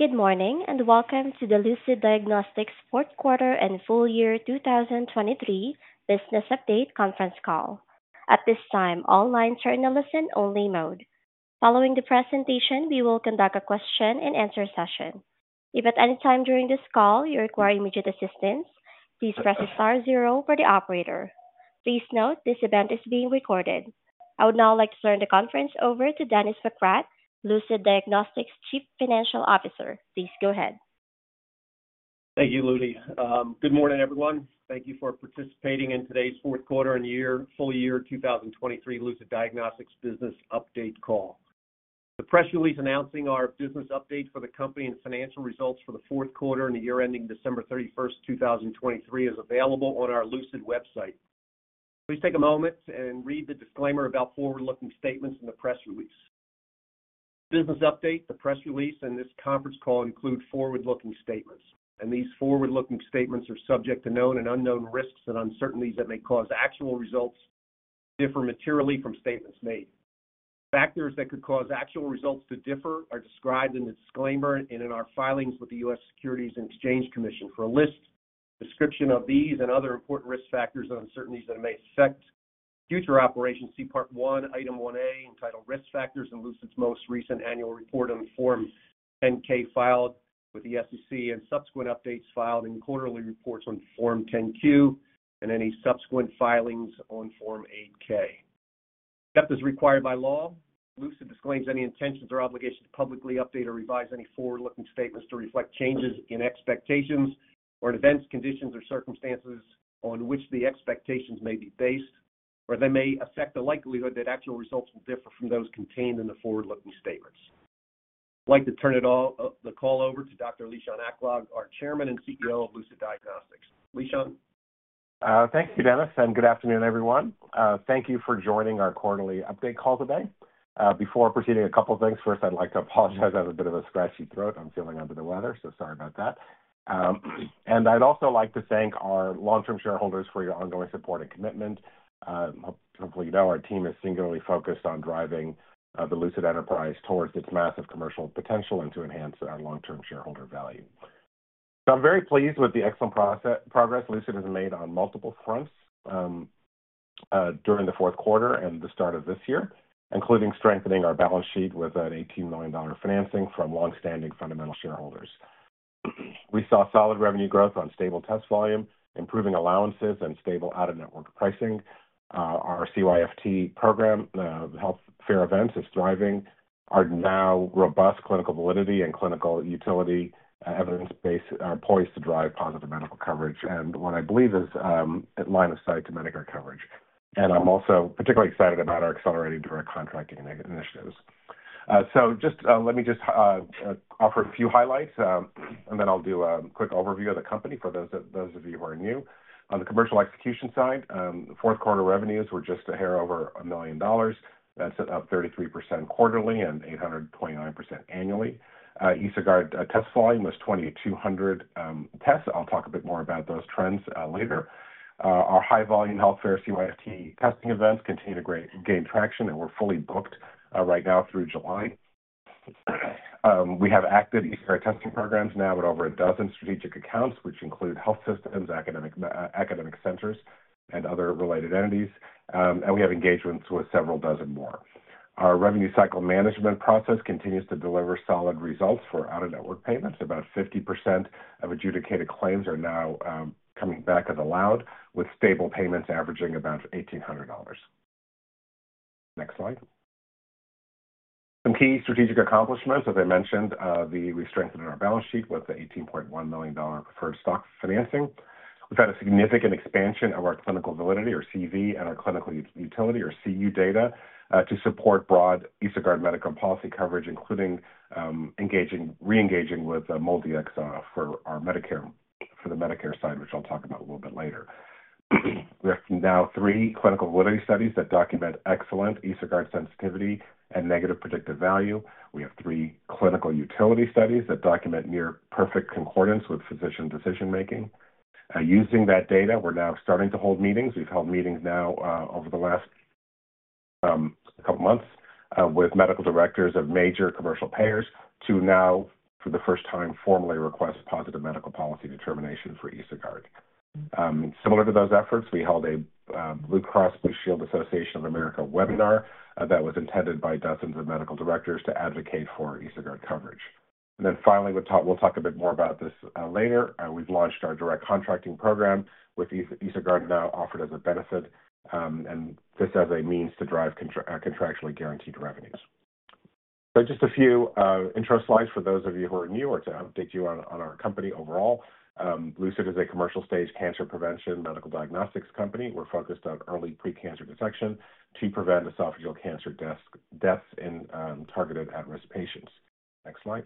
Good morning, and welcome to the Lucid Diagnostics fourth quarter and full year 2023 business update conference call. At this time, all lines are in a listen-only mode. Following the presentation, we will conduct a question-and-answer session. If at any time during this call you require immediate assistance, please press star zero for the operator. Please note, this event is being recorded. I would now like to turn the conference over to Dennis McGrath, Lucid Diagnostics' Chief Financial Officer. Please go ahead. Thank you, Lucy. Good morning, everyone. Thank you for participating in today's fourth quarter and full year 2023 Lucid Diagnostics business update call. The press release announcing our business update for the company and financial results for the fourth quarter and the year ending December 31, 2023, is available on our Lucid website. Please take a moment and read the disclaimer about forward-looking statements in the press release. Business update, the press release, and this conference call include forward-looking statements, and these forward-looking statements are subject to known and unknown risks and uncertainties that may cause actual results to differ materially from statements made. Factors that could cause actual results to differ are described in the disclaimer and in our filings with the U.S. Securities and Exchange Commission. For a list, description of these and other important risk factors and uncertainties that may affect future operations, see Part One, Item 1A, entitled Risk Factors, in Lucid's most recent annual report on Form 10-K, filed with the SEC, and subsequent updates filed in quarterly reports on Form 10-Q, and any subsequent filings on Form 8-K. Except as required by law, Lucid disclaims any intentions or obligation to publicly update or revise any forward-looking statements to reflect changes in expectations or in events, conditions, or circumstances on which the expectations may be based, or they may affect the likelihood that actual results will differ from those contained in the forward-looking statements. I'd like to turn it all, the call over to Dr. Lishan Aklog, our Chairman and CEO of Lucid Diagnostics. Lishan? Thank you, Dennis, and good afternoon, everyone. Thank you for joining our quarterly update call today. Before proceeding, a couple of things. First, I'd like to apologize. I have a bit of a scratchy throat. I'm feeling under the weather, so sorry about that. And I'd also like to thank our long-term shareholders for your ongoing support and commitment. Hopefully you know our team is singularly focused on driving the Lucid enterprise towards its massive commercial potential and to enhance our long-term shareholder value. So I'm very pleased with the excellent progress Lucid has made on multiple fronts during the fourth quarter and the start of this year, including strengthening our balance sheet with a $18 million financing from long-standing fundamental shareholders. We saw solid revenue growth on stable test volume, improving allowances, and stable out-of-network pricing. Our CYFT program, health fair events, is thriving. Our now robust clinical validity and clinical utility, evidence base are poised to drive positive medical coverage and what I believe is, line of sight to Medicare coverage. I'm also particularly excited about our accelerating direct contracting initiatives. Let me offer a few highlights, and then I'll do a quick overview of the company for those of you who are new. On the commercial execution side, fourth quarter revenues were just a hair over $1 million. That's up 33% quarterly and 800.9% annually. EsoGuard test volume was 2,200 tests. I'll talk a bit more about those trends later. Our high-volume health fair CYFT testing events continue to gain traction and we're fully booked right now through July. We have active EsoGuard testing programs now in over a dozen strategic accounts, which include health systems, academic centers, and other related entities, and we have engagements with several dozen more. Our revenue cycle management process continues to deliver solid results for out-of-network payments. About 50% of adjudicated claims are now coming back as allowed, with stable payments averaging about $1,800. Next slide. Some key strategic accomplishments, as I mentioned. We strengthened our balance sheet with the $18.1 million preferred stock financing. We've had a significant expansion of our clinical validity, or CV, and our clinical utility, or CU, data to support broad EsoGuard medical policy coverage, including engaging, re-engaging with MolDX for our Medicare, for the Medicare side, which I'll talk about a little bit later. We have now three clinical validity studies that document excellent EsoGuard sensitivity and negative predictive value. We have three clinical utility studies that document near perfect concordance with physician decision-making. Using that data, we're now starting to hold meetings. We've held meetings now over the last couple months with medical directors of major commercial payers to now, for the first time, formally request positive medical policy determination for EsoGuard. Similar to those efforts, we held a Blue Cross Blue Shield Association webinar that was attended by dozens of medical directors to advocate for EsoGuard coverage. And then finally, we'll talk a bit more about this later. We've launched our direct contracting program, with EsoGuard now offered as a benefit, and this as a means to drive contractually guaranteed revenues. So just a few intro slides for those of you who are new, or to update you on our company overall. Lucid is a commercial-stage cancer prevention medical diagnostics company. We're focused on early pre-cancer detection to prevent esophageal cancer deaths in targeted at-risk patients. Next slide.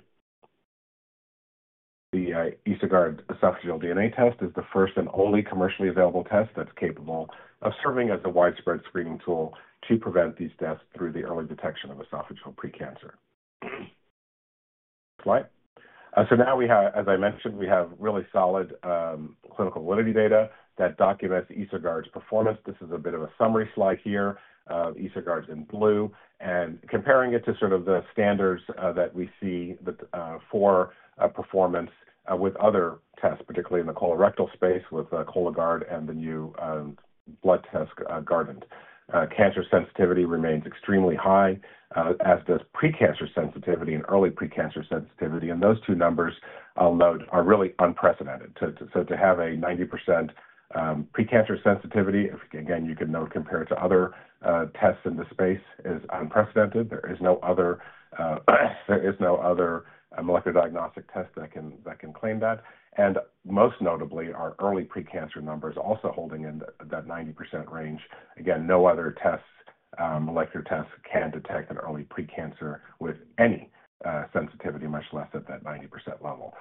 The EsoGuard esophageal DNA test is the first and only commercially available test that's capable of serving as a widespread screening tool to prevent these deaths through the early detection of esophageal pre-cancer.... Right. So now we have, as I mentioned, we have really solid clinical validity data that documents EsoGuard's performance. This is a bit of a summary slide here, EsoGuard's in blue, and comparing it to sort of the standards that we see with for performance with other tests, particularly in the colorectal space, with Cologuard and the new blood test, Guardant. Cancer sensitivity remains extremely high, as does precancer sensitivity and early precancer sensitivity. And those two numbers, I'll note, are really unprecedented. So to have a 90% precancer sensitivity, again, you can note, compared to other tests in the space, is unprecedented. There is no other molecular diagnostic test that can claim that. And most notably, our early precancer numbers also holding in that 90% range. Again, no other tests molecular tests can detect an early precancer with any sensitivity, much less at that 90% level.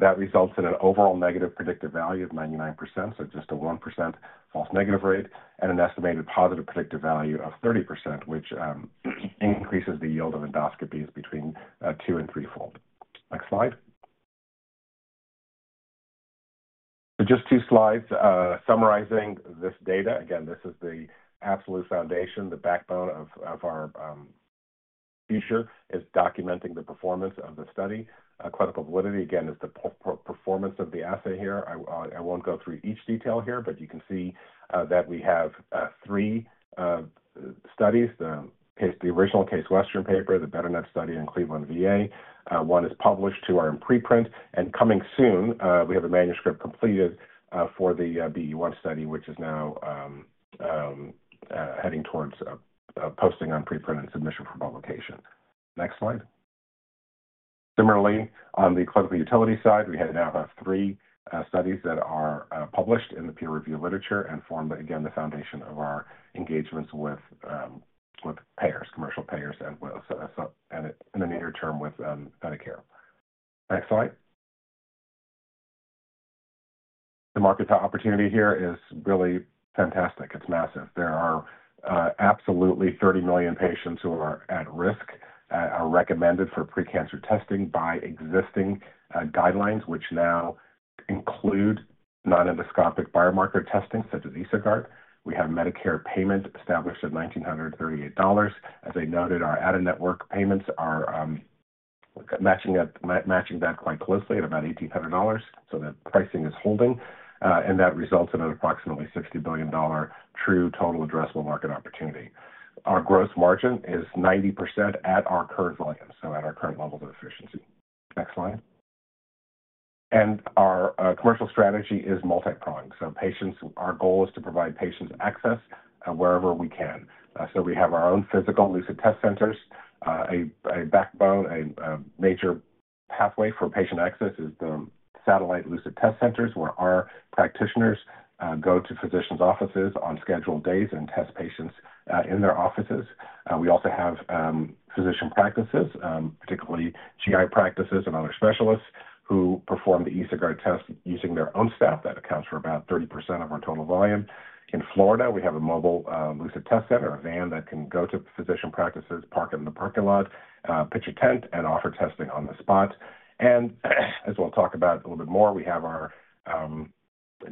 That results in an overall negative predictive value of 99%, so just a 1% false negative rate, and an estimated positive predictive value of 30%, which increases the yield of endoscopies between two and threefold. Next slide. So just two slides summarizing this data. Again, this is the absolute foundation, the backbone of our future, is documenting the performance of the study. Clinical validity, again, is the performance of the assay here. I won't go through each detail here, but you can see that we have three studies. The Case, the original Case Western paper, the BETRNet study in Cleveland VA. One is published, two are in preprint, and coming soon, we have a manuscript completed for the BE-1 study, which is now heading towards a posting on preprint and submission for publication. Next slide. Similarly, on the clinical utility side, we have now three studies that are published in the peer review literature and form, again, the foundation of our engagements with payers, commercial payers, and in the near term, with Medicare. Next slide. The market opportunity here is really fantastic. It's massive. There are absolutely 30 million patients who are at risk are recommended for precancer testing by existing guidelines, which now include non-endoscopic biomarker testing, such as EsoGuard. We have Medicare payment established at $1,938. As I noted, our out-of-network payments are matching up, matching that quite closely at about $1,800, so the pricing is holding, and that results in an approximately $60 billion true total addressable market opportunity. Our gross margin is 90% at our current volumes, so at our current levels of efficiency. Next slide. And our commercial strategy is multi-prong. So patients, our goal is to provide patients access, wherever we can. So we have our own physical Lucid Test Centers. A backbone, a major pathway for patient access is the satellite Lucid Test Centers, where our practitioners go to physicians' offices on scheduled days and test patients in their offices. We also have physician practices, particularly GI practices and other specialists who perform the EsoGuard test using their own staff. That accounts for about 30% of our total volume. In Florida, we have a mobile Lucid Test Center, a van that can go to physician practices, park in the parking lot, pitch a tent, and offer testing on the spot. As we'll talk about a little bit more, we have our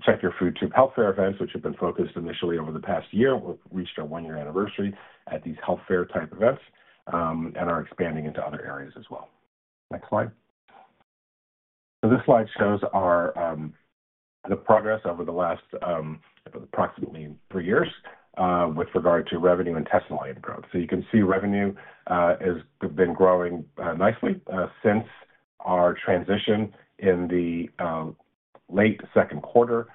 Check Your Food Tube health fair events, which have been focused initially over the past year. We've reached our one-year anniversary at these health fair-type events and are expanding into other areas as well. Next slide. So this slide shows the progress over the last approximately three years with regard to revenue and test volume growth. So you can see revenue has been growing nicely since our transition in the late second quarter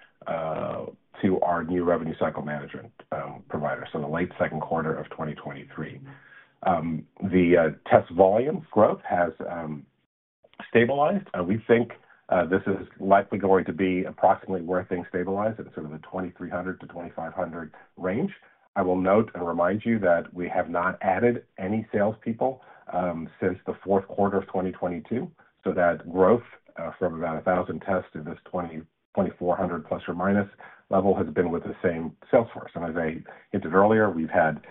to our new revenue cycle management provider, so the late second quarter of 2023. The test volume growth has stabilized. We think this is likely going to be approximately where things stabilize in sort of the 2,300-2,500 range. I will note and remind you that we have not added any salespeople since the fourth quarter of 2022, so that growth from about 1,000 tests to this 2,400 plus or minus level has been with the same sales force. As I hinted earlier, we've had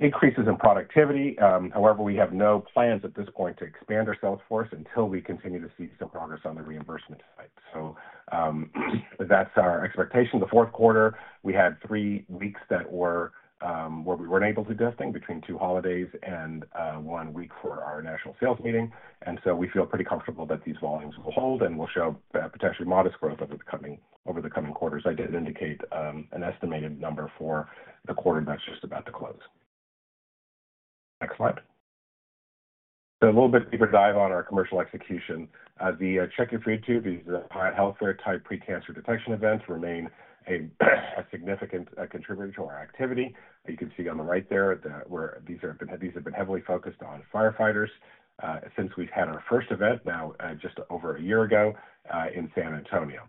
increases in productivity; however, we have no plans at this point to expand our sales force until we continue to see some progress on the reimbursement side. So, that's our expectation. The fourth quarter, we had three weeks that were where we weren't able to do testing between two holidays and one week for our national sales meeting, and so we feel pretty comfortable that these volumes will hold and will show potentially modest growth over the coming, over the coming quarters. I didn't indicate an estimated number for the quarter that's just about to close. Next slide. So a little bit deeper dive on our commercial execution. The Check Your Food Tube, these are health fair-type precancer detection events, remain a significant contributor to our activity. You can see on the right there that these have been heavily focused on firefighters since we've had our first event, now just over a year ago, in San Antonio.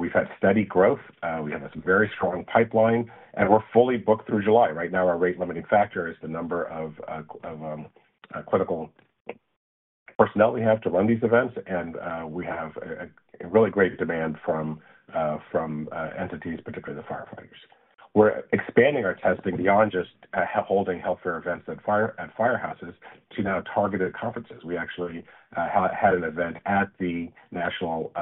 We've had steady growth, we have a very strong pipeline, and we're fully booked through July. Right now, our rate-limiting factor is the number of clinical personnel we have to run these events, and we have a really great demand from entities, particularly the firefighters.... We're expanding our testing beyond just holding healthcare events at firehouses to now targeted conferences. We actually had an event at the National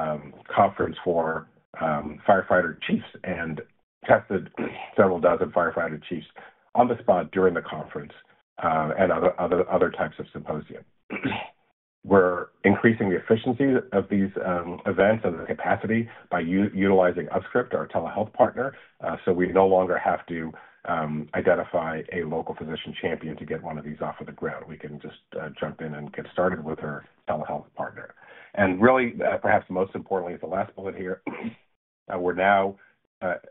Conference for Firefighter Chiefs and tested several dozen firefighter chiefs on the spot during the conference and other types of symposium. We're increasing the efficiency of these events and the capacity by utilizing UpScript, our telehealth partner. So we no longer have to identify a local physician champion to get one of these off of the ground. We can just jump in and get started with our telehealth partner. And really, perhaps most importantly, is the last bullet here. We're now,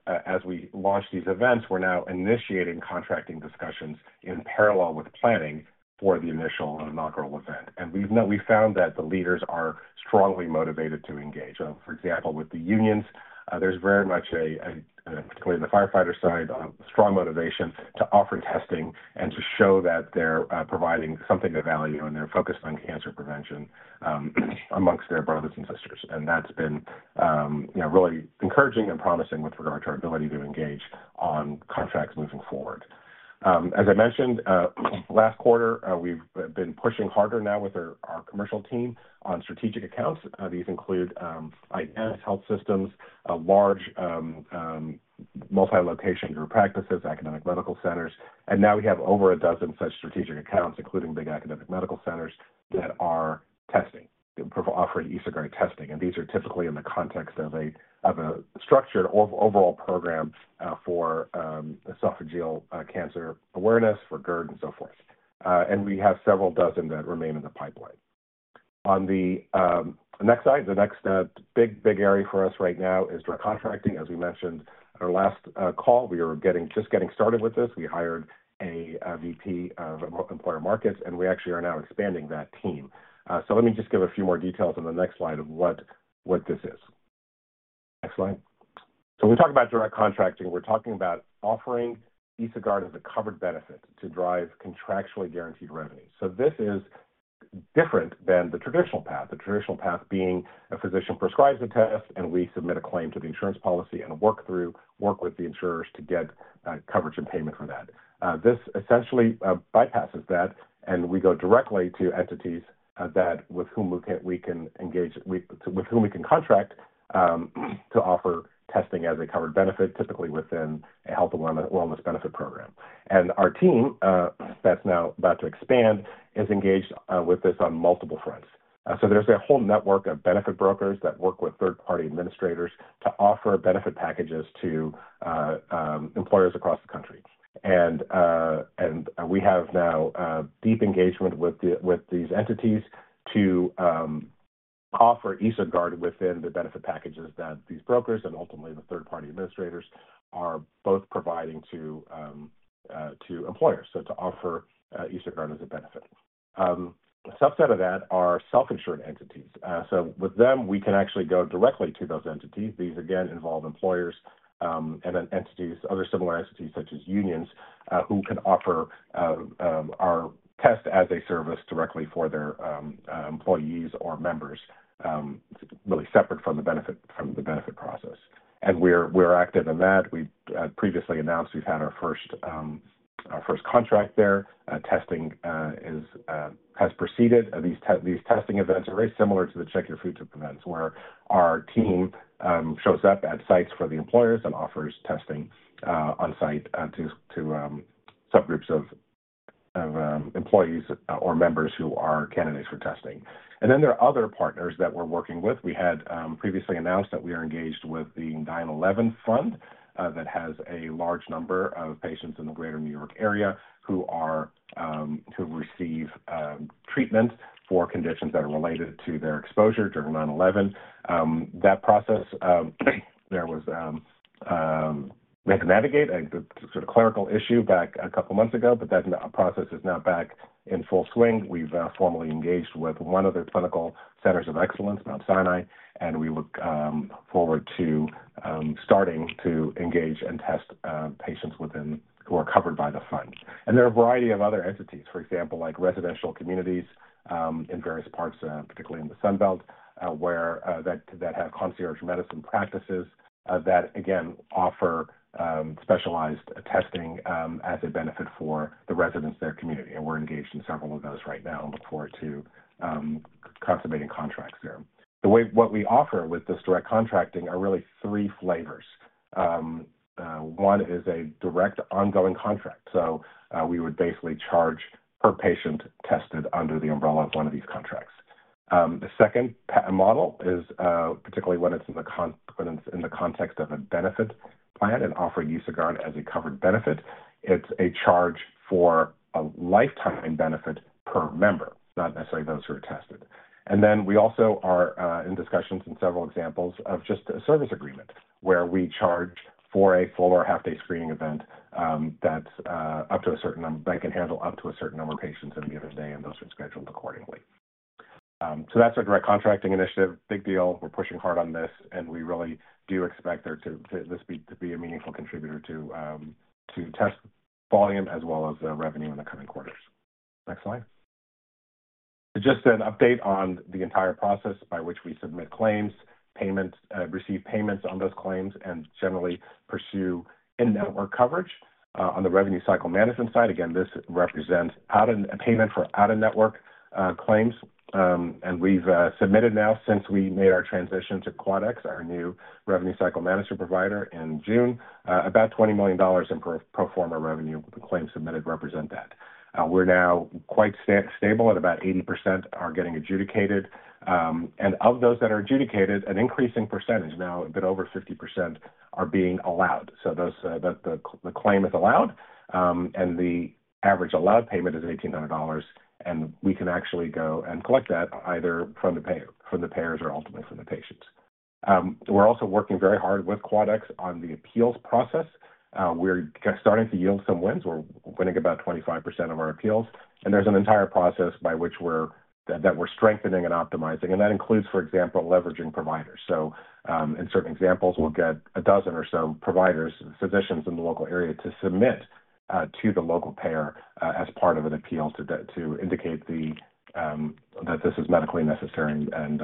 as we launch these events, we're now initiating contracting discussions in parallel with planning for the initial inaugural event. We've found that the leaders are strongly motivated to engage. For example, with the unions, there's very much a particularly the firefighter side, a strong motivation to offer testing and to show that they're providing something of value, and they're focused on cancer prevention amongst their brothers and sisters. And that's been, you know, really encouraging and promising with regard to our ability to engage on contracts moving forward. As I mentioned, last quarter, we've been pushing harder now with our commercial team on strategic accounts. These include integrated health systems, a large multi-location group practices, academic medical centers. And now we have over a dozen such strategic accounts, including big academic medical centers that are testing, offering EsoGuard testing. These are typically in the context of a structured overall program for esophageal cancer awareness, for GERD and so forth. And we have several dozen that remain in the pipeline. On the next slide, the next big area for us right now is direct contracting. As we mentioned in our last call, we are just getting started with this. We hired a VP of employer markets, and we actually are now expanding that team. So let me just give a few more details on the next slide of what this is. Next slide. So when we talk about direct contracting, we're talking about offering EsoGuard as a covered benefit to drive contractually guaranteed revenue. So this is different than the traditional path. The traditional path being a physician prescribes a test, and we submit a claim to the insurance policy and work with the insurers to get coverage and payment for that. This essentially bypasses that, and we go directly to entities that with whom we can engage, with whom we can contract to offer testing as a covered benefit, typically within a health and wellness benefit program. Our team that's now about to expand is engaged with this on multiple fronts. There's a whole network of benefit brokers that work with third-party administrators to offer benefit packages to employers across the country. And we have now deep engagement with the, with these entities to offer EsoGuard within the benefit packages that these brokers and ultimately the third-party administrators are both providing to employers, so to offer EsoGuard as a benefit. A subset of that are self-insured entities. So with them, we can actually go directly to those entities. These, again, involve employers, and then entities, other similar entities such as unions, who can offer our test as a service directly for their employees or members, really separate from the benefit, from the benefit process. And we're active in that. We've previously announced we've had our first contract there. Testing has proceeded. These tests, these testing events are very similar to the Check Your Food Tube events, where our team shows up at sites for the employers and offers testing on site to subgroups of employees or members who are candidates for testing. And then there are other partners that we're working with. We had previously announced that we are engaged with the 9/11 Fund that has a large number of patients in the greater New York area who receive treatment for conditions that are related to their exposure during 9/11. That process, there was we had to navigate a sort of clerical issue back a couple of months ago, but that process is now back in full swing. We've formally engaged with one of their clinical centers of excellence, Mount Sinai, and we look forward to starting to engage and test patients within... who are covered by the fund. And there are a variety of other entities, for example, like residential communities in various parts, particularly in the Sun Belt, where that have concierge medicine practices that again offer specialized testing as a benefit for the residents of their community. And we're engaged in several of those right now and look forward to consummating contracts there. What we offer with this direct contracting are really three flavors. One is a direct ongoing contract, so we would basically charge per patient tested under the umbrella of one of these contracts. The second model is, particularly when it's in the context of a benefit plan and offer EsoGuard as a covered benefit. It's a charge for a lifetime benefit per member, not necessarily those who are tested. And then we also are in discussions in several examples of just a service agreement, where we charge for a full or half-day screening event, that's up to a certain number, that can handle up to a certain number of patients in the other day, and those are scheduled accordingly. So that's our direct contracting initiative. Big deal. We're pushing hard on this, and we really do expect there to, this to be a meaningful contributor to test volume as well as the revenue in the coming quarters. Next slide. Just an update on the entire process by which we submit claims, payments, receive payments on those claims, and generally pursue in-network coverage on the revenue cycle management side. Again, this represents out-of-network payment for out-of-network claims. And we've submitted now since we made our transition to Quadax, our new revenue cycle management provider in June, about $20 million in pro forma revenue, the claims submitted represent that. We're now quite stable, at about 80% are getting adjudicated. And of those that are adjudicated, an increasing percentage, now a bit over 50%, are being allowed. So those, the claim is allowed, and the average allowed payment is $1,800, and we can actually go and collect that either from the payer, from the payers or ultimately from the patients. We're also working very hard with Quadax on the appeals process. We're starting to yield some wins. We're winning about 25% of our appeals, and there's an entire process by which we're strengthening and optimizing, and that includes, for example, leveraging providers. So, in certain examples, we'll get a dozen or so providers, physicians in the local area, to submit to the local payer as part of an appeal to indicate that this is medically necessary and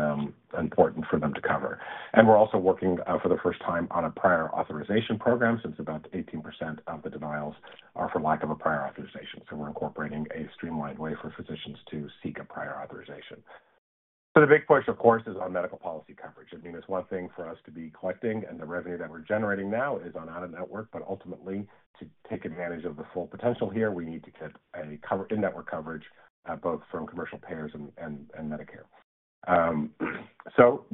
important for them to cover. And we're also working for the first time on a prior authorization program, since about 18% of the denials are for lack of a prior authorization. So we're incorporating a streamlined way for physicians to seek a prior authorization. So the big push, of course, is on medical policy coverage. I mean, it's one thing for us to be collecting, and the revenue that we're generating now is on out-of-network, but ultimately, to take advantage of the full potential here, we need to get coverage, in-network coverage, both from commercial payers and Medicare. So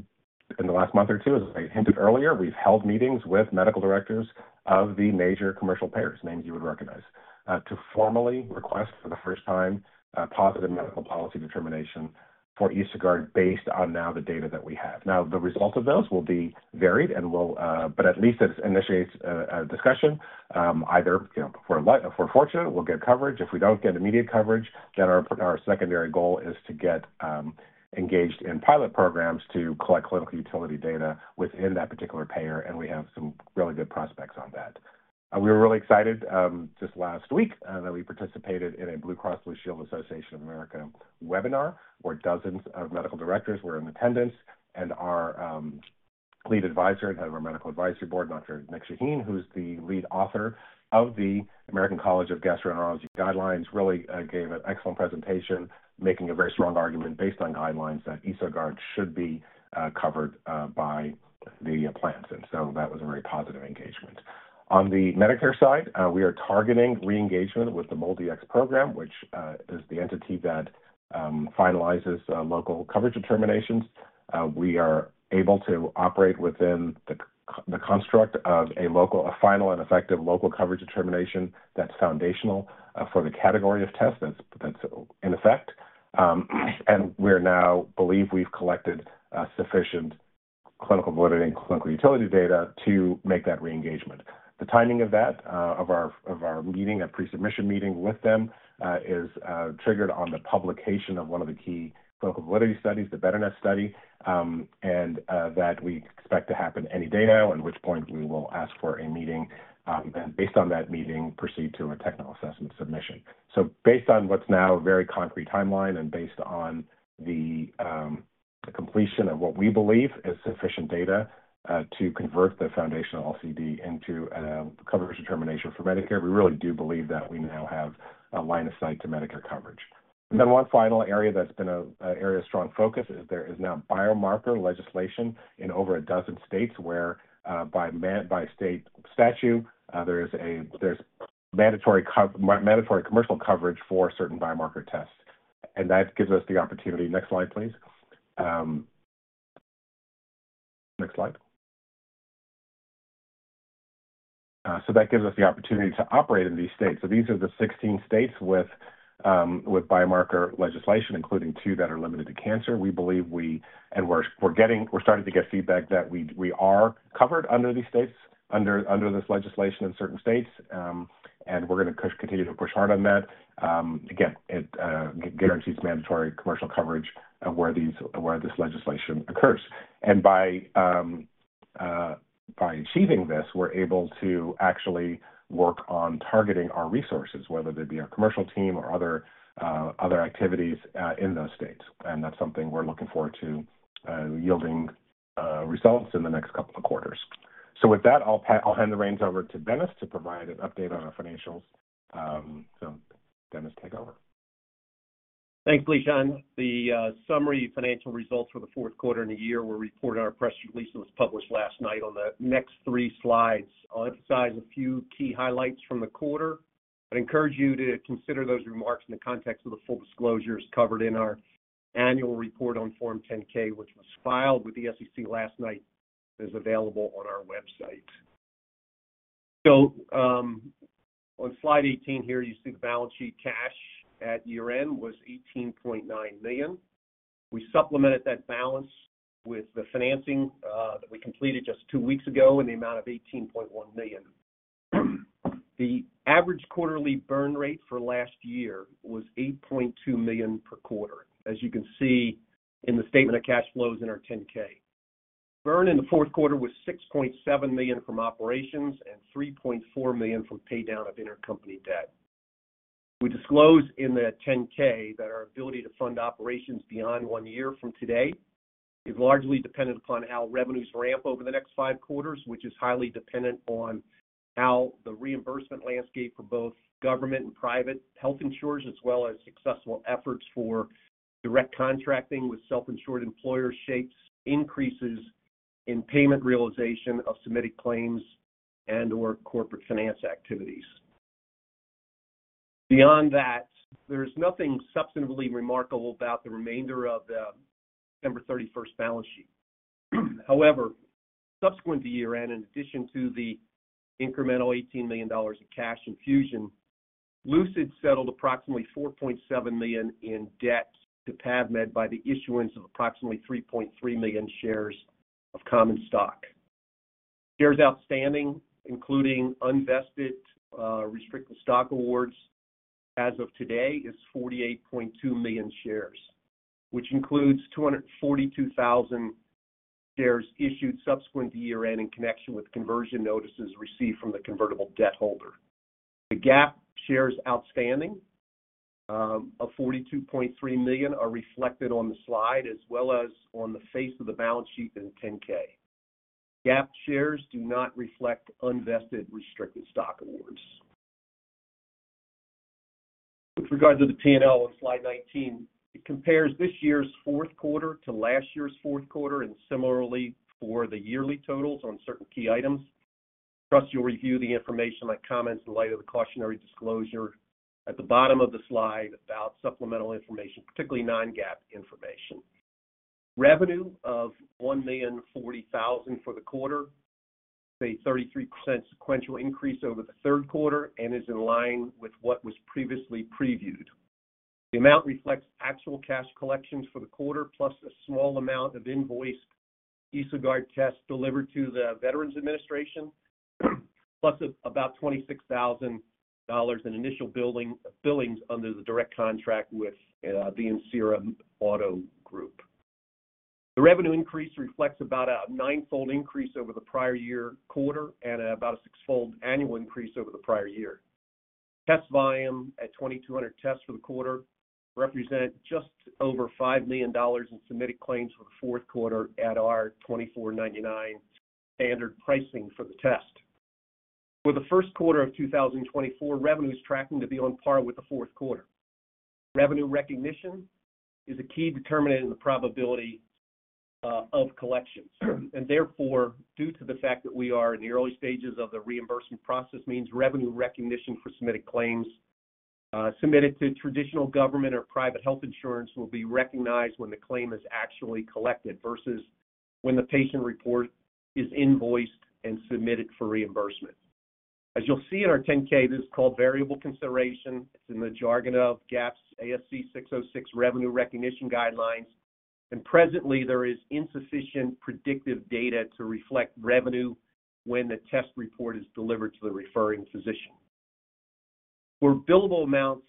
in the last month or two, as I hinted earlier, we've held meetings with medical directors of the major commercial payers, names you would recognize, to formally request for the first time, a positive medical policy determination for EsoGuard based on now the data that we have. Now, the result of those will be varied and will. But at least it initiates a discussion, either, you know, if we're fortunate, we'll get coverage. If we don't get immediate coverage, then our, our secondary goal is to get, engaged in pilot programs to collect clinical utility data within that particular payer, and we have some really good prospects on that. We were really excited, just last week, that we participated in a Blue Cross Blue Shield Association of America webinar, where dozens of medical directors were in attendance, and our, lead advisor and head of our medical advisory board, Dr. Nick Shaheen, who's the lead author of the American College of Gastroenterology Guidelines, really, gave an excellent presentation, making a very strong argument based on guidelines that EsoGuard should be, covered, by the plans. And so that was a very positive engagement. On the Medicare side, we are targeting reengagement with the MolDX program, which is the entity that finalizes local coverage determinations. We are able to operate within the construct of a local final and effective local coverage determination that's foundational for the category of tests, that's in effect. We're now believe we've collected sufficient clinical validity and clinical utility data to make that reengagement. The timing of that, of our meeting, a pre-submission meeting with them, is triggered on the publication of one of the key clinical validity studies, the BETRNet study, and that we expect to happen any day now, at which point we will ask for a meeting, and based on that meeting, proceed to a Technical Assessment submission. So based on what's now a very concrete timeline and based on the completion of what we believe is sufficient data to convert the foundational LCD into a coverage determination for Medicare, we really do believe that we now have a line of sight to Medicare coverage. And then one final area that's been an area of strong focus is there is now biomarker legislation in over a dozen states, where by state statute there is mandatory commercial coverage for certain biomarker tests, and that gives us the opportunity. Next slide, please. Next slide. So that gives us the opportunity to operate in these states. So these are the 16 states with biomarker legislation, including two that are limited to cancer. We believe we... And we're getting feedback that we are covered under this legislation in certain states. And we're gonna push, continue to push hard on that. Again, it guarantees mandatory commercial coverage of where this legislation occurs. And by achieving this, we're able to actually work on targeting our resources, whether they be our commercial team or other activities in those states. And that's something we're looking forward to yielding results in the next couple of quarters. So with that, I'll hand the reins over to Dennis to provide an update on our financials. So Dennis, take over. Thanks, Lishan. The summary financial results for the fourth quarter and the year were reported. Our press release was published last night on the next three slides. I'll emphasize a few key highlights from the quarter, but encourage you to consider those remarks in the context of the full disclosures covered in our annual report on Form 10-K, which was filed with the SEC last night, is available on our website. So, on slide 18 here, you see the balance sheet cash at year-end was $18.9 million. We supplemented that balance with the financing that we completed just two weeks ago in the amount of $18.1 million. The average quarterly burn rate for last year was $8.2 million per quarter, as you can see in the statement of cash flows in our 10-K. Burn in the fourth quarter was $6.7 million from operations and $3.4 million from paydown of intercompany debt. We disclosed in the 10-K that our ability to fund operations beyond 1 year from today is largely dependent upon how revenues ramp over the next 5 quarters, which is highly dependent on how the reimbursement landscape for both government and private health insurers, as well as successful efforts for direct contracting with self-insured employers, shapes increases in payment realization of submitted claims and or corporate finance activities. Beyond that, there's nothing substantively remarkable about the remainder of the December 31 balance sheet. However, subsequent to year-end, in addition to the incremental $18 million in cash infusion, Lucid settled approximately $4.7 million in debt to PAVmed by the issuance of approximately 3.3 million shares of common stock. Shares outstanding, including unvested, restricted stock awards, as of today, is 48.2 million shares, which includes 242,000 shares issued subsequent to year-end in connection with conversion notices received from the convertible debt holder. The GAAP shares outstanding, of 42.3 million are reflected on the slide as well as on the face of the balance sheet in 10-K. GAAP shares do not reflect unvested, restricted stock awards. With regard to the P&L on slide 19, it compares this year's fourth quarter to last year's fourth quarter and similarly for the yearly totals on certain key items. Plus, you'll review the information on comments in light of the cautionary disclosure at the bottom of the slide about supplemental information, particularly non-GAAP information. Revenue of $1.04 million for the quarter, a 33% sequential increase over the third quarter and is in line with what was previously previewed. The amount reflects actual cash collections for the quarter, plus a small amount of invoiced EsoGuard tests delivered to the Veterans Administration, plus about $26,000 in initial building billings under the direct contract with the Ancira Auto Group. The revenue increase reflects about a 9-fold increase over the prior year quarter and about a 6-fold annual increase over the prior year. Test volume at 2,200 tests for the quarter represented just over $5 million in submitted claims for the fourth quarter at our $2,499 standard pricing for the test. For the first quarter of 2024, revenue is tracking to be on par with the fourth quarter. Revenue recognition is a key determinant in the probability of collections. And therefore, due to the fact that we are in the early stages of the reimbursement process, means revenue recognition for submitted claims submitted to traditional government or private health insurance will be recognized when the claim is actually collected versus when the patient report is invoiced and submitted for reimbursement. As you'll see in our 10-K, this is called variable consideration. It's in the jargon of GAAP's ASC 606 revenue recognition guidelines, and presently there is insufficient predictive data to reflect revenue when the test report is delivered to the referring physician. For billable amounts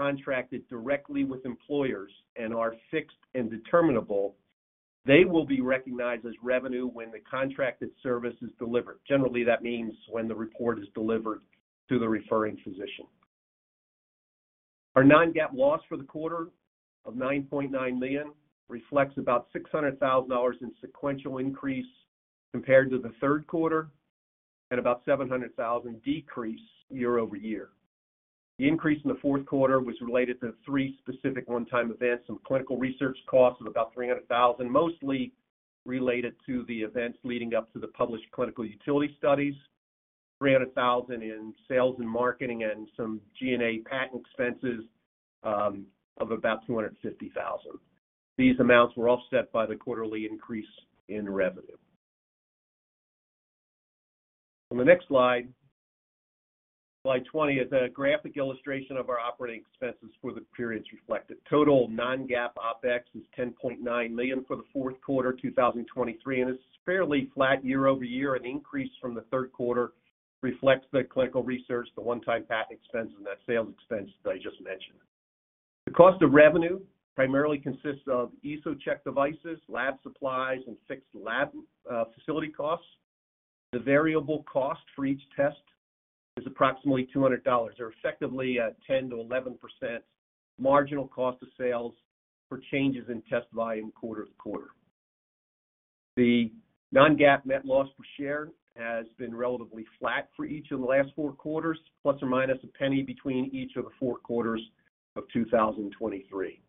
contracted directly with employers and are fixed and determinable, they will be recognized as revenue when the contracted service is delivered. Generally, that means when the report is delivered to the referring physician. Our non-GAAP loss for the quarter of $9.9 million reflects about $600,000 in sequential increase compared to the third quarter, and about $700,000 decrease year-over-year. The increase in the fourth quarter was related to three specific one-time events, some clinical research costs of about $300,000, mostly related to the events leading up to the published clinical utility studies, $300,000 in sales and marketing, and some G&A patent expenses, of about $250,000. These amounts were offset by the quarterly increase in revenue. On the next slide, slide 20, is a graphic illustration of our operating expenses for the periods reflected. Total non-GAAP OpEx is $10.9 million for the fourth quarter, 2023, and it's fairly flat year-over-year. An increase from the third quarter reflects the clinical research, the one-time patent expense, and that sales expense that I just mentioned. The cost of revenue primarily consists of EsoCheck devices, lab supplies, and fixed lab facility costs. The variable cost for each test is approximately $200, or effectively at 10%-11% marginal cost of sales for changes in test volume quarter to quarter. The non-GAAP net loss per share has been relatively flat for each of the last four quarters, ±$0.01 between each of the four quarters of 2023.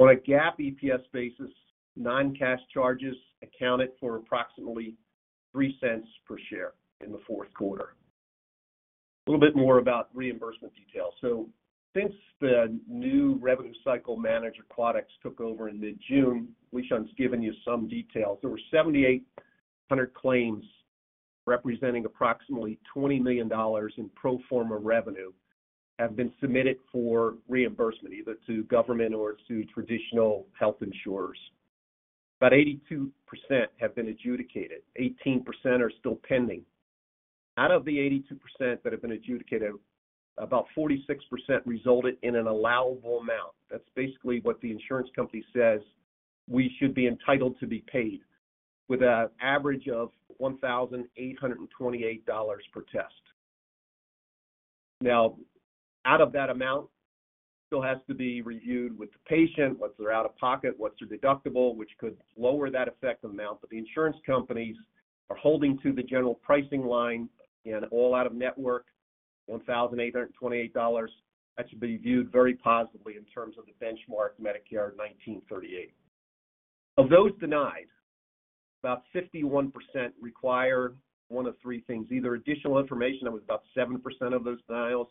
On a GAAP EPS basis, non-cash charges accounted for approximately $0.03 per share in the fourth quarter. A little bit more about reimbursement details. So since the new revenue cycle manager, Quadax, took over in mid-June, we've given you some details. There were 7,800 claims, representing approximately $20 million in pro forma revenue, have been submitted for reimbursement, either to government or to traditional health insurers. About 82% have been adjudicated, 18% are still pending.... Out of the 82% that have been adjudicated, about 46% resulted in an allowable amount. That's basically what the insurance company says we should be entitled to be paid, with an average of $1,828 per test. Now, out of that amount, still has to be reviewed with the patient, what's their out-of-pocket, what's their deductible, which could lower that effective amount, but the insurance companies are holding to the general pricing line and all out of network, $1,828. That should be viewed very positively in terms of the benchmark Medicare 1,938. Of those denied, about 51% require one of three things, either additional information, that was about 7% of those denials,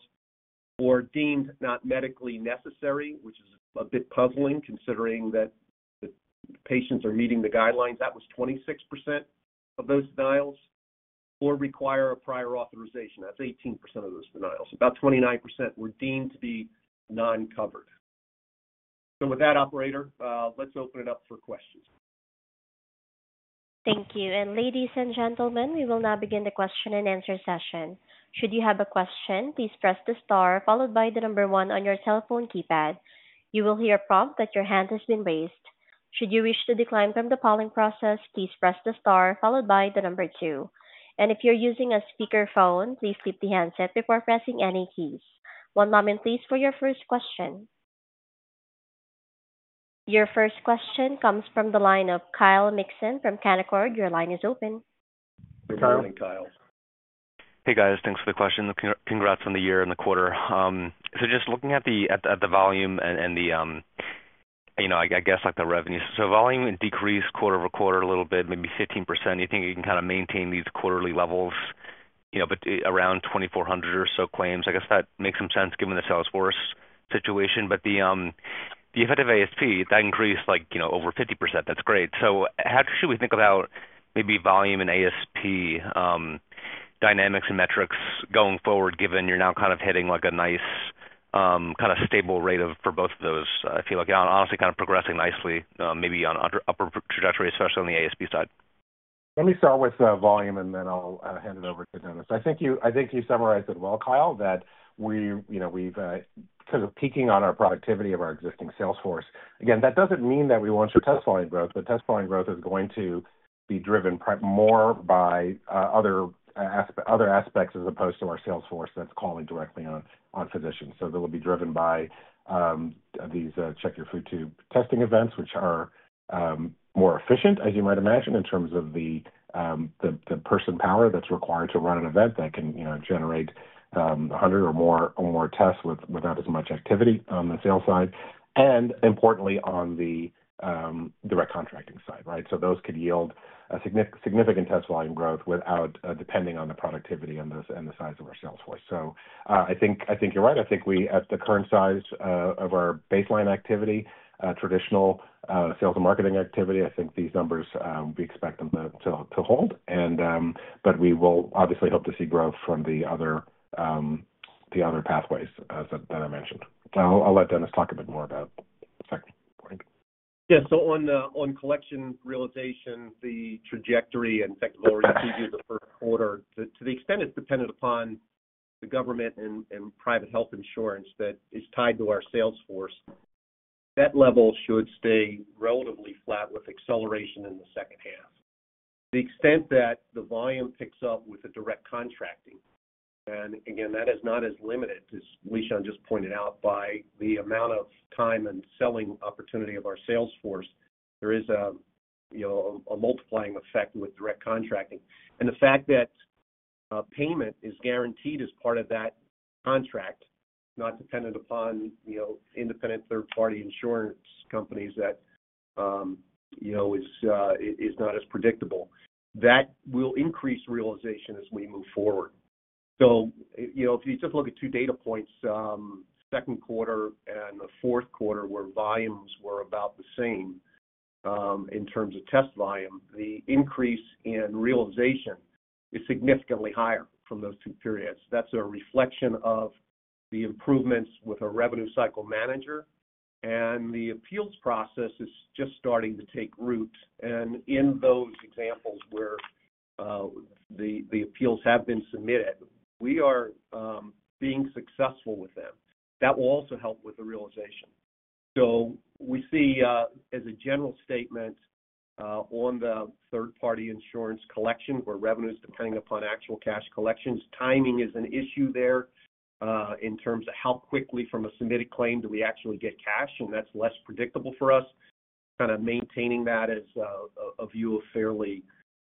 or deemed not medically necessary, which is a bit puzzling considering that the patients are meeting the guidelines. That was 26% of those denials, or require a prior authorization. That's 18% of those denials. About 29% were deemed to be non-covered. So with that, operator, let's open it up for questions. Thank you. Ladies and gentlemen, we will now begin the question and answer session. Should you have a question, please press the star followed by the number 1 on your telephone keypad. You will hear a prompt that your hand has been raised. Should you wish to decline from the polling process, please press the star followed by the number 2. If you're using a speakerphone, please keep the handset before pressing any keys. One moment, please, for your first question. Your first question comes from the line of Kyle Mikson from Canaccord. Your line is open. Good morning, Kyle. Hey, guys. Thanks for the question. Congrats on the year and the quarter. So just looking at the volume and the revenue. So volume decreased quarter-over-quarter a little bit, maybe 15%. You think you can kind of maintain these quarterly levels, you know, but around 2,400 or so claims? I guess that makes some sense given the sales force situation, but the effective ASP, that increased like, you know, over 50%. That's great. So how should we think about maybe volume and ASP dynamics and metrics going forward, given you're now kind of hitting like a nice kind of stable rate for both of those? I feel like, honestly, kind of progressing nicely, maybe on an upper trajectory, especially on the ASP side. Let me start with volume, and then I'll hand it over to Dennis. I think you summarized it well, Kyle, that we, you know, we've sort of peaking on our productivity of our existing sales force. Again, that doesn't mean that we want your test volume growth, but test volume growth is going to be driven more by other aspects as opposed to our sales force that's calling directly on physicians. So they will be driven by these Check Your Food Tube testing events, which are more efficient, as you might imagine, in terms of the person power that's required to run an event that can, you know, generate 100 or more tests without as much activity on the sales side, and importantly, on the direct contracting side, right? So those could yield a significant test volume growth without depending on the productivity and the size of our sales force. So I think you're right. I think we, at the current size of our baseline activity, traditional sales and marketing activity, I think these numbers we expect them to hold. But we will obviously hope to see growth from the other pathways as that I mentioned. I'll let Dennis talk a bit more about. Yeah, so on the collection realization, the trajectory and sector over the first quarter, to the extent it's dependent upon the government and private health insurance that is tied to our sales force, that level should stay relatively flat with acceleration in the second half. To the extent that the volume picks up with the direct contracting, and again, that is not as limited as Lishan just pointed out, by the amount of time and selling opportunity of our sales force, there is a, you know, a multiplying effect with direct contracting. The fact that payment is guaranteed as part of that contract, not dependent upon, you know, independent third-party insurance companies that you know is not as predictable. That will increase realization as we move forward. You know, if you just look at two data points, second quarter and the fourth quarter, where volumes were about the same, in terms of test volume, the increase in realization is significantly higher from those two periods. That's a reflection of the improvements with our revenue cycle manager, and the appeals process is just starting to take root. In those examples where the appeals have been submitted, we are being successful with them. That will also help with the realization. So we see, as a general statement, on the third-party insurance collection, where revenue is depending upon actual cash collections, timing is an issue there, in terms of how quickly from a submitted claim do we actually get cash, and that's less predictable for us. Kind of maintaining that as a view of fairly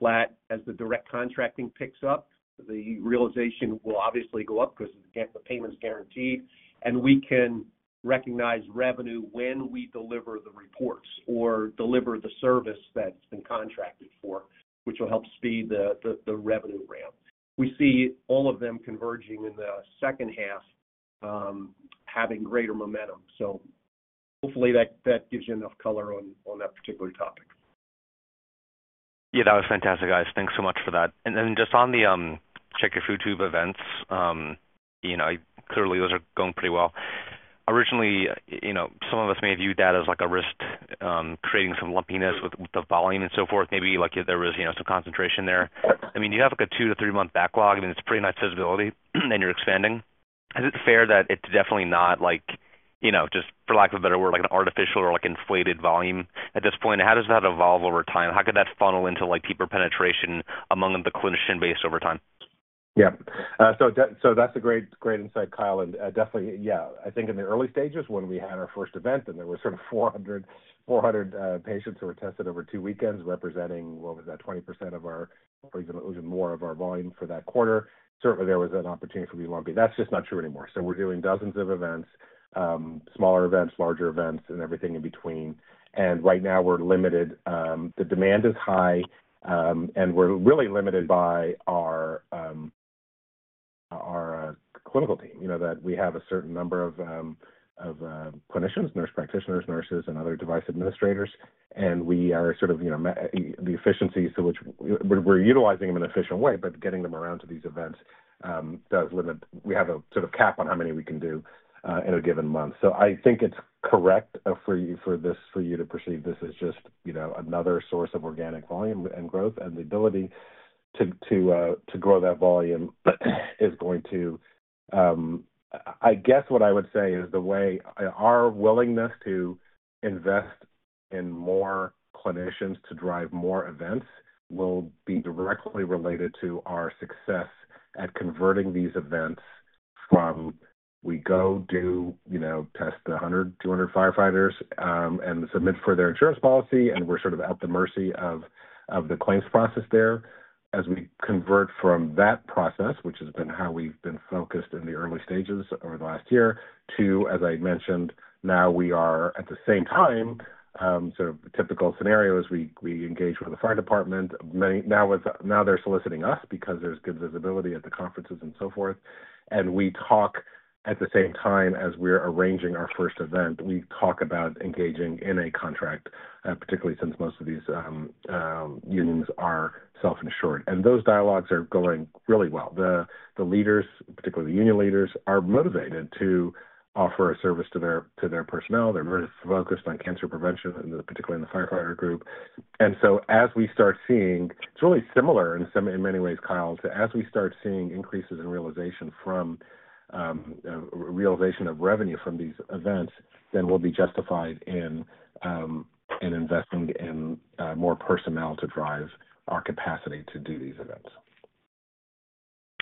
flat. As the direct contracting picks up, the realization will obviously go up because, again, the payment's guaranteed, and we can recognize revenue when we deliver the reports or deliver the service that's been contracted for, which will help speed the revenue ramp. We see all of them converging in the second half, having greater momentum. So hopefully that gives you enough color on that particular topic. Yeah, that was fantastic, guys. Thanks so much for that. And then just on the Check Your Food Tube events, you know, clearly those are going pretty well. Originally, you know, some of us may view that as like a risk, creating some lumpiness with the volume and so forth. Maybe like if there was, you know, some concentration there. I mean, you have, like, a 2-3-month backlog, and it's pretty nice visibility, and you're expanding. Is it fair that it's definitely not like, you know, just for lack of a better word, like an artificial or, like, inflated volume at this point? How does that evolve over time? How could that funnel into, like, deeper penetration among the clinician base over time? Yeah. So that, so that's a great, great insight, Kyle, and, definitely, yeah. I think in the early stages when we had our first event and there were sort of 400, 400, patients who were tested over two weekends, representing, what was that? 20% of our or even more of our volume for that quarter. Certainly, there was an opportunity for to be lumpy. That's just not true anymore. So we're doing dozens of events, smaller events, larger events, and everything in between. And right now, we're limited, the demand is high, and we're really limited by our, our, clinical team. You know, that we have a certain number of, of, clinicians, nurse practitioners, nurses, and other device administrators, and we are sort of, you know, me- the efficiencies to which... We're utilizing them in an efficient way, but getting them around to these events does limit—we have a sort of cap on how many we can do in a given month. So I think it's correct for you to perceive this as just, you know, another source of organic volume and growth, and the ability to grow that volume is going to... I guess what I would say is the way our willingness to invest in more clinicians to drive more events will be directly related to our success at converting these events from we go do, you know, test 100-200 firefighters, and submit for their insurance policy, and we're sort of at the mercy of the claims process there. As we convert from that process, which has been how we've been focused in the early stages over the last year, to, as I mentioned, now we are at the same time, sort of typical scenario is we, we engage with the fire department. Now with, now they're soliciting us because there's good visibility at the conferences and so forth. And we talk at the same time as we're arranging our first event, we talk about engaging in a contract, particularly since most of these, unions are self-insured. And those dialogues are going really well. The, the leaders, particularly the union leaders, are motivated to offer a service to their, to their personnel. They're very focused on cancer prevention, and particularly in the firefighter group. And so as we start seeing... It's really similar in some, in many ways, Kyle, to, as we start seeing increases in realization of revenue from these events, then we'll be justified in investing in more personnel to drive our capacity to do these events.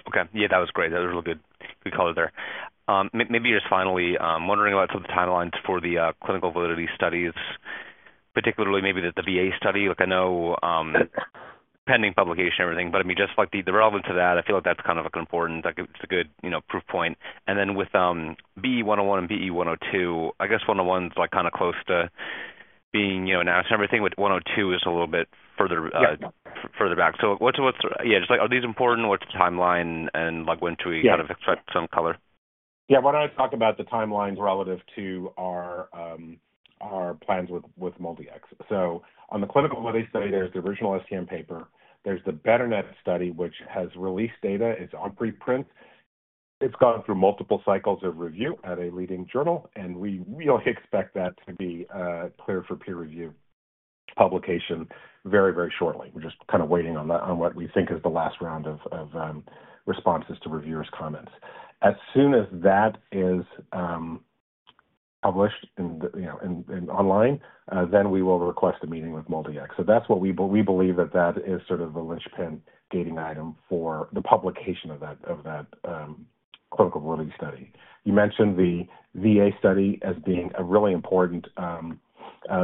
Okay. Yeah, that was great. That was a really good, good color there. Maybe just finally, wondering about some of the timelines for the, clinical validity studies, particularly maybe the, the VA study. Look, I know, pending publication, everything, but I mean, just like the relevance of that, I feel like that's kind of, like, important. Like, it's a good, you know, proof point. And then with, BE-101 and BE-102, I guess 101 is, like, kind of close to being, you know, announced and everything, with 102 is a little bit further. Yeah. So what's... Yeah, just like, are these important? What's the timeline, and, like, when do we- Yeah. kind of expect some color? Yeah. Why don't I talk about the timelines relative to our, our plans with, with MolDX? So on the clinical validity study, there's the original STM paper. There's the BETRNet study, which has released data. It's on preprint. It's gone through multiple cycles of review at a leading journal, and we really expect that to be clear for peer review publication very, very shortly. We're just kind of waiting on what we think is the last round of, of responses to reviewers' comments. As soon as that is published in the, you know, in, in online, then we will request a meeting with MolDX. So that's what we, we believe that that is sort of the linchpin gating item for the publication of that, of that clinical release study. You mentioned the VA study as being a really important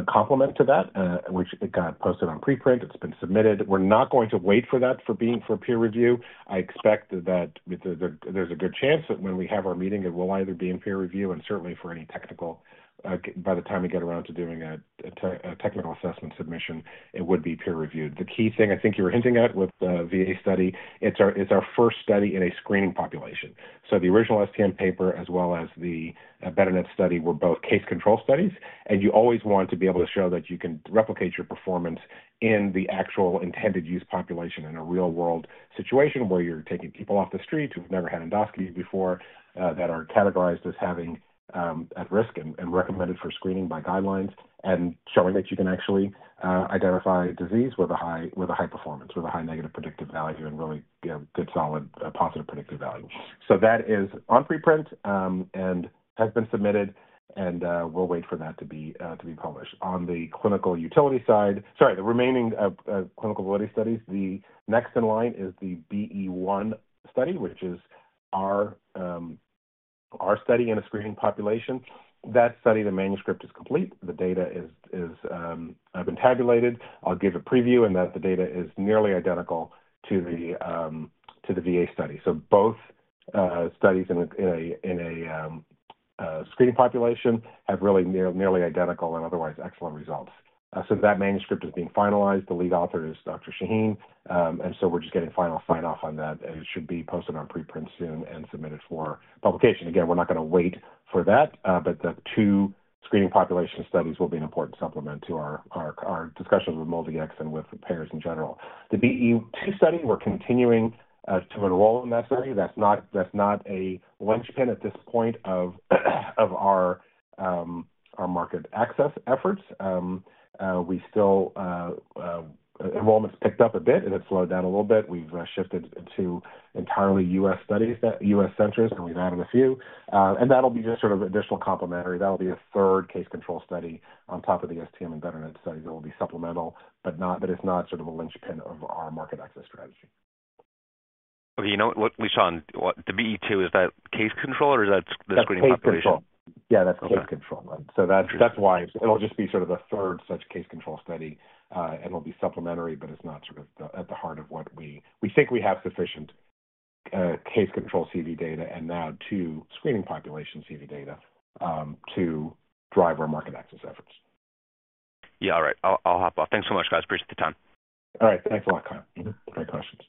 complement to that, which it got posted on preprint. It's been submitted. We're not going to wait for that for being for peer review. I expect that there, there's a good chance that when we have our meeting, it will either be in peer review and certainly for any technical, by the time we get around to doing a Technical Assessment submission, it would be peer-reviewed. The key thing I think you were hinting at with the VA study, it's our, it's our first study in a screening population. So the original STM paper, as well as the, BETRNet study, were both case-control studies, and you always want to be able to show that you can replicate your performance in the actual intended use population in a real-world situation where you're taking people off the street who've never had endoscopy before, that are categorized as having, at risk and, and recommended for screening by guidelines, and showing that you can actually, identify disease with a high, with a high performance, with a high negative predictive value and really, you know, good, solid, positive predictive value. So that is on preprint, and has been submitted, and, we'll wait for that to be, to be published. On the clinical utility side... Sorry, the remaining clinical validity studies, the next in line is the BE-1 study, which is our study in a screening population. That study, the manuscript is complete. The data is been tabulated. I'll give a preview, and that the data is nearly identical to the VA study. So both studies in a screening population have really nearly identical and otherwise excellent results. So that manuscript is being finalized. The lead author is Dr. Shaheen, and so we're just getting final sign-off on that, and it should be posted on preprint soon and submitted for publication. Again, we're not gonna wait for that, but the screening population studies will be an important supplement to our discussions with MolDX and with payers in general. The BE-2 study, we're continuing to enroll in that study. That's not a linchpin at this point of our market access efforts. We still, enrollment's picked up a bit, and it slowed down a little bit. We've shifted to entirely U.S. studies, U.S. centers, and we've added a few. And that'll be just sort of additional complementary. That'll be a third case-control study on top of the San Antonio and Veteran studies that will be supplemental, but it's not sort of a linchpin of our market access strategy. Okay. You know what, Lishan, on what the BE-2, is that case control or is that the screening population? That's case-control. Yeah, that's case-control. Okay. So that's why it'll just be sort of a third such case-control study, and it'll be supplementary, but it's not sort of the, at the heart of what we think we have sufficient case-control CV data and now two screening population CU data to drive our market access efforts. Yeah. All right, I'll, I'll hop off. Thanks so much, guys. Appreciate the time. All right. Thanks a lot, Kyle. Mm-hmm. Great questions.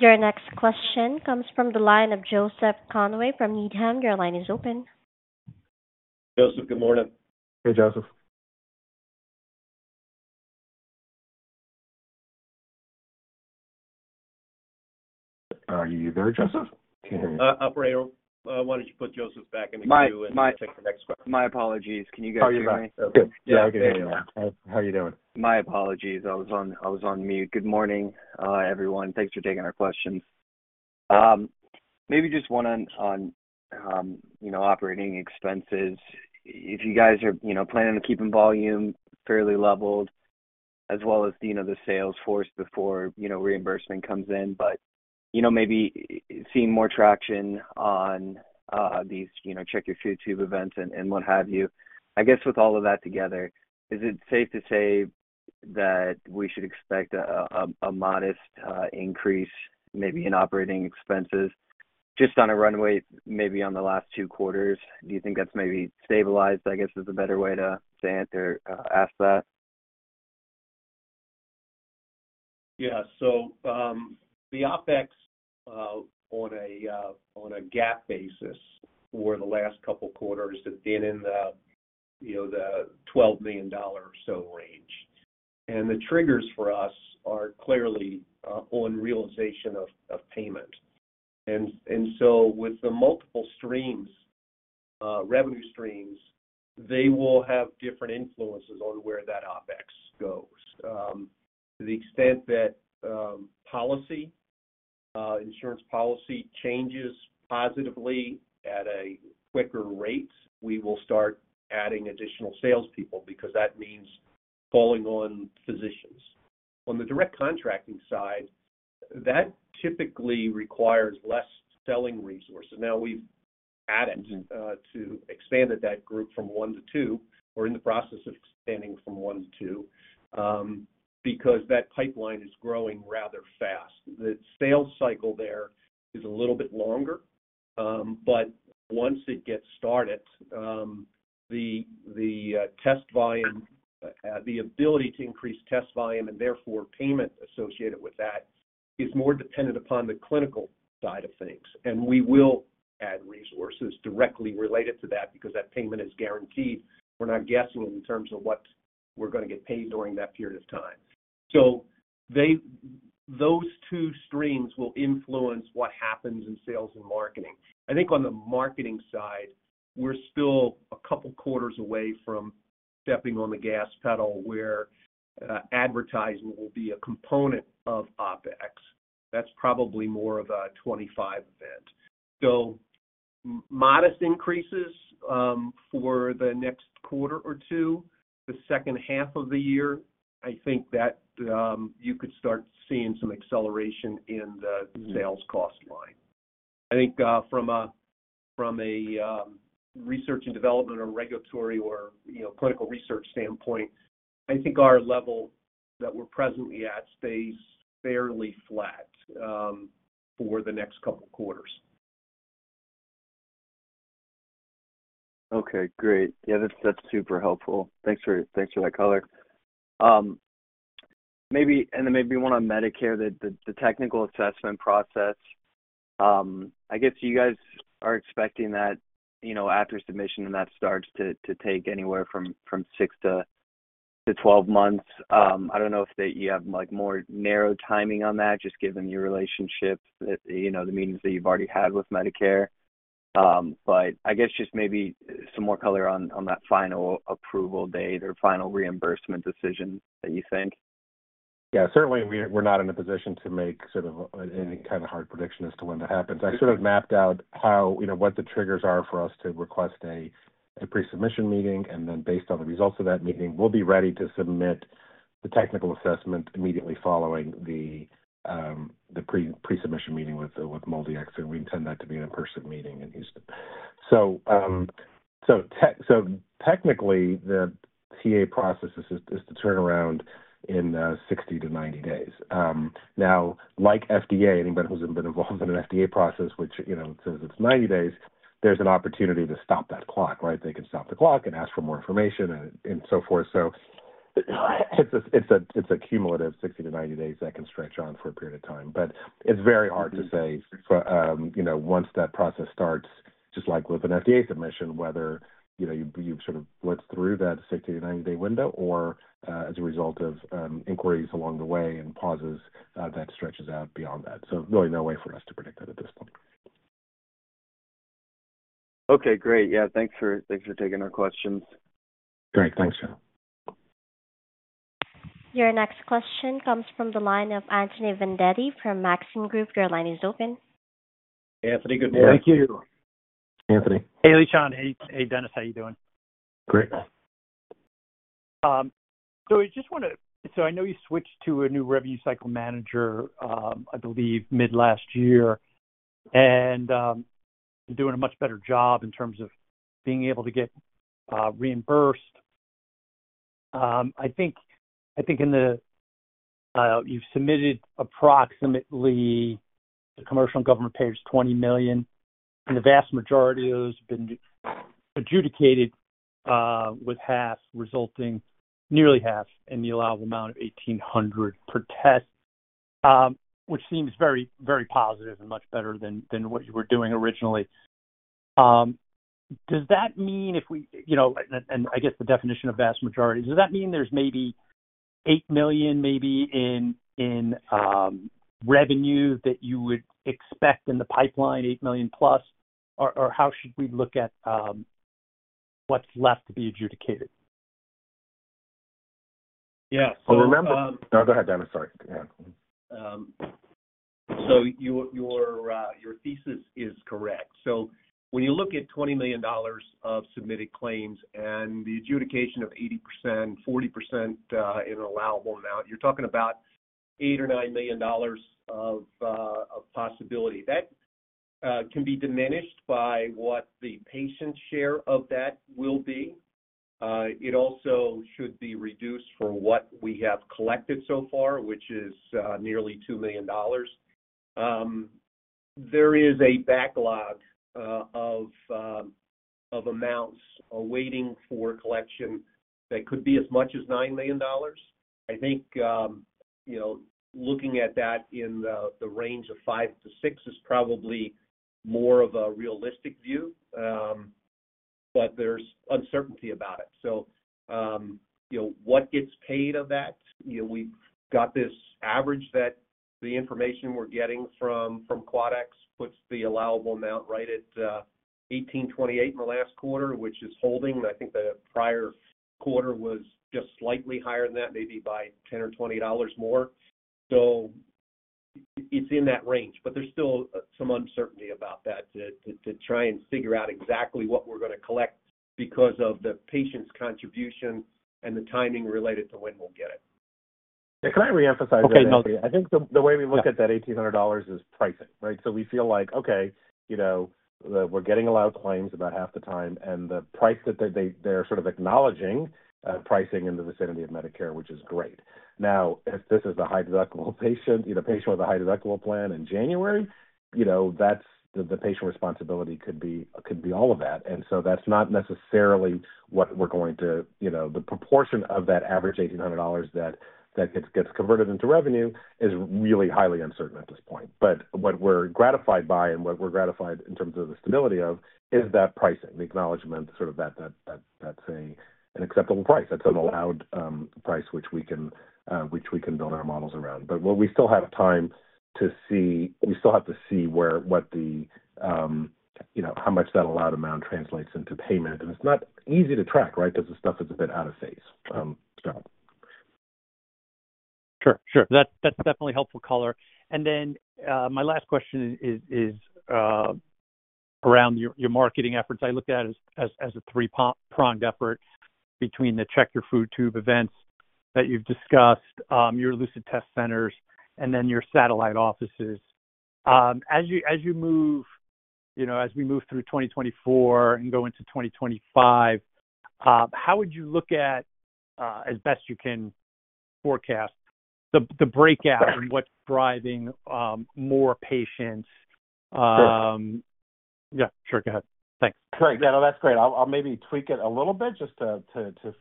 Your next question comes from the line of Joseph Conway from Needham. Your line is open. Joseph, good morning. Hey, Joseph. Are you there, Joseph? Can't hear you. Operator, why don't you put Joseph back in the queue- My, my- Take the next question. My apologies. Can you guys hear me? Oh, you're back. Good. Yeah, I can hear you now. How you doing? My apologies. I was on, I was on mute. Good morning, everyone. Thanks for taking our questions. Maybe just one on, on, you know, operating expenses. If you guys are, you know, planning on keeping volume fairly leveled as well as, you know, the sales force before, you know, reimbursement comes in, but, you know, maybe seeing more traction on, these, you know, Check Your Food Tube events and, and what have you. I guess with all of that together, is it safe to say that we should expect a, a, a modest, increase maybe in operating expenses just on a runway, maybe on the last two quarters? Do you think that's maybe stabilized, I guess, is a better way to, to answer, ask that? Yeah. So, the OpEx, on a GAAP basis for the last couple quarters has been in the, you know, the $12 million or so range. And the triggers for us are clearly, on realization of payment. And so with the multiple streams, revenue streams, they will have different influences on where that OpEx goes. To the extent that, policy, insurance policy changes positively at a quicker rate, we will start adding additional sales people because that means calling on physicians. On the direct contracting side, that typically requires less selling resources. Now, we've added to expanded that group from one to two, or in the process of expanding from one to two, because that pipeline is growing rather fast. The sales cycle there is a little bit longer, but once it gets started, the test volume, the ability to increase test volume and therefore payment associated with that, is more dependent upon the clinical side of things. And we will add resources directly related to that because that payment is guaranteed. We're not guessing in terms of what we're gonna get paid during that period of time. So they—those two streams will influence what happens in sales and marketing. I think on the marketing side, we're still a couple quarters away from stepping on the gas pedal, where advertising will be a component of OpEx. That's probably more of a 25 event. So modest increases for the next quarter or 2, the second half of the year. I think that you could start seeing some acceleration in the sales cost line. I think from a research and development or regulatory or, you know, clinical research standpoint, I think our level that we're presently at stays fairly flat for the next couple quarters. Okay, great. Yeah, that's super helpful. Thanks for that color. Maybe one on Medicare, the Technical Assessment process. I guess you guys are expecting that, you know, after submission, and that starts to take anywhere from six-12 months. I don't know if you have, like, more narrow timing on that, just given your relationships, you know, the meetings that you've already had with Medicare. But I guess just maybe some more color on that final approval date or final reimbursement decision that you think. Yeah, certainly we're not in a position to make sort of any kind of hard prediction as to when that happens. I sort of mapped out how, you know, what the triggers are for us to request a pre-submission meeting, and then based on the results of that meeting, we'll be ready to submit the Technical Assessment immediately following the pre-submission meeting with MolDX, and we intend that to be an in-person meeting in Houston. So, so technically, the TA process is to turn around in 60-90 days. Now, like FDA, anybody who's been involved in an FDA process, which, you know, says it's 90 days, there's an opportunity to stop that clock, right? They can stop the clock and ask for more information and so forth. So-... It's a cumulative 60-90 days that can stretch on for a period of time, but it's very hard to say. But, you know, once that process starts, just like with an FDA submission, whether you know you've sort of blitzed through that 60-90-day window or, as a result of, inquiries along the way and pauses, that stretches out beyond that. So really no way for us to predict that at this point. Okay, great. Yeah, thanks for, thanks for taking our questions. Great. Thanks, Joseph. Your next question comes from the line of Anthony Vendetti from Maxim Group. Your line is open. Anthony, good morning. Thank you, Anthony. Hey, Lishan. Hey, hey, Dennis, how you doing? Great. So I just wanted to. So I know you switched to a new revenue cycle manager, I believe, mid-last year, and, doing a much better job in terms of being able to get, reimbursed. I think, I think in the, you've submitted approximately the commercial and government payers, $20 million, and the vast majority of those have been adjudicated, with half resulting, nearly half, in the allowable amount of $1,800 per test, which seems very, very positive and much better than, than what you were doing originally. Does that mean if we... You know, and, and I guess the definition of vast majority, does that mean there's maybe $8 million, maybe in, in, revenue that you would expect in the pipeline, $8 million plus? Or, or how should we look at, what's left to be adjudicated? Yeah. So remember- No, go ahead, Dennis. Sorry. Yeah. So your thesis is correct. So when you look at $20 million of submitted claims and the adjudication of 80%, 40% in allowable amount, you're talking about $8 million or $9 million of a possibility. That can be diminished by what the patient's share of that will be. It also should be reduced from what we have collected so far, which is nearly $2 million. There is a backlog of amounts awaiting for collection that could be as much as $9 million. I think, you know, looking at that in the range of $5 million-$6 million is probably more of a realistic view, but there's uncertainty about it. So, you know, what gets paid of that? You know, we've got this average that the information we're getting from Quadax puts the allowable amount right at $1,828 in the last quarter, which is holding. I think the prior quarter was just slightly higher than that, maybe by 10 or 20 dollars more. So it's in that range, but there's still some uncertainty about that to try and figure out exactly what we're gonna collect because of the patient's contribution and the timing related to when we'll get it. Can I reemphasize that? I think the way we look at that $1,800 is pricing, right? So we feel like, okay, you know, we're getting allowed claims about half the time and the price that they, they're sort of acknowledging, pricing in the vicinity of Medicare, which is great. Now, if this is a high deductible patient, you know, patient with a high deductible plan in January, you know, that's the patient responsibility could be all of that. And so that's not necessarily what we're going to... You know, the proportion of that average $1,800 that gets converted into revenue is really highly uncertain at this point. But what we're gratified by and what we're gratified in terms of the stability of, is that pricing, the acknowledgment, sort of that that's an acceptable price. That's an allowed price, which we can, which we can build our models around. But we still have to see where, what the, you know, how much that allowed amount translates into payment. And it's not easy to track, right? Because the stuff is a bit out of phase, so. Sure, sure. That's definitely helpful color. And then, my last question is around your marketing efforts. I looked at it as a three-pronged effort between the Check Your Food Tube events that you've discussed, your Lucid Test Centers, and then your satellite offices. As you move, you know, as we move through 2024 and go into 2025, how would you look at, as best you can forecast, the breakout and what's driving more patients? Yeah, sure. Go ahead. Thanks. Great. Yeah, no, that's great. I'll maybe tweak it a little bit just to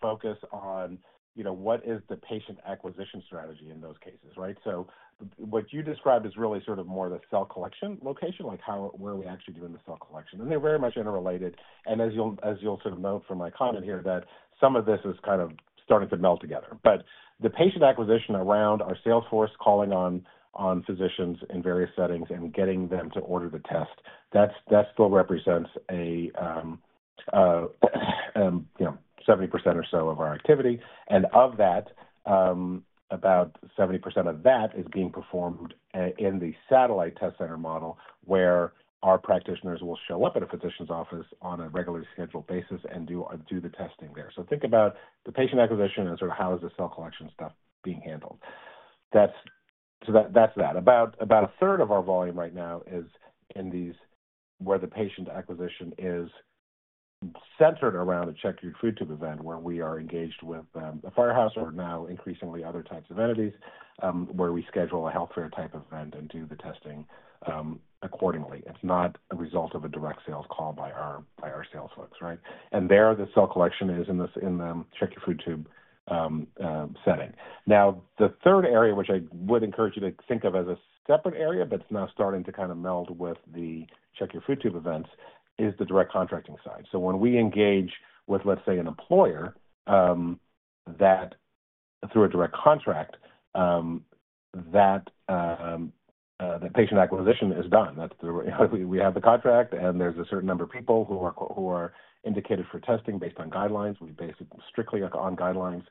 focus on, you know, what is the patient acquisition strategy in those cases, right? So what you described is really sort of more the cell collection location, like how, where are we actually doing the cell collection? And they're very much interrelated. And as you'll sort of note from my comment here, that some of this is kind of starting to meld together. But the patient acquisition around our sales force, calling on physicians in various settings and getting them to order the test, that's that still represents a you know, 70% or so of our activity. Of that, about 70% of that is being performed in the satellite test center model, where our practitioners will show up at a physician's office on a regularly scheduled basis and do the testing there. So think about the patient acquisition and sort of how is the cell collection stuff being handled. That's that. About a third of our volume right now is in these, where the patient acquisition is centered around a Check Your Food Tube event, where we are engaged with a firehouse or now increasingly other types of entities, where we schedule a health fair type event and do the testing accordingly. It's not a result of a direct sales call by our sales folks, right? And there, the cell collection is in this, in the Check Your Food Tube setting. Now, the third area, which I would encourage you to think of as a separate area, but it's now starting to kind of meld with the Check Your Food Tube events, is the direct contracting side. So when we engage with, let's say, an employer, that through a direct contract, that, the patient acquisition is done. That's the we have the contract, and there's a certain number of people who are indicated for testing based on guidelines. We base it strictly on guidelines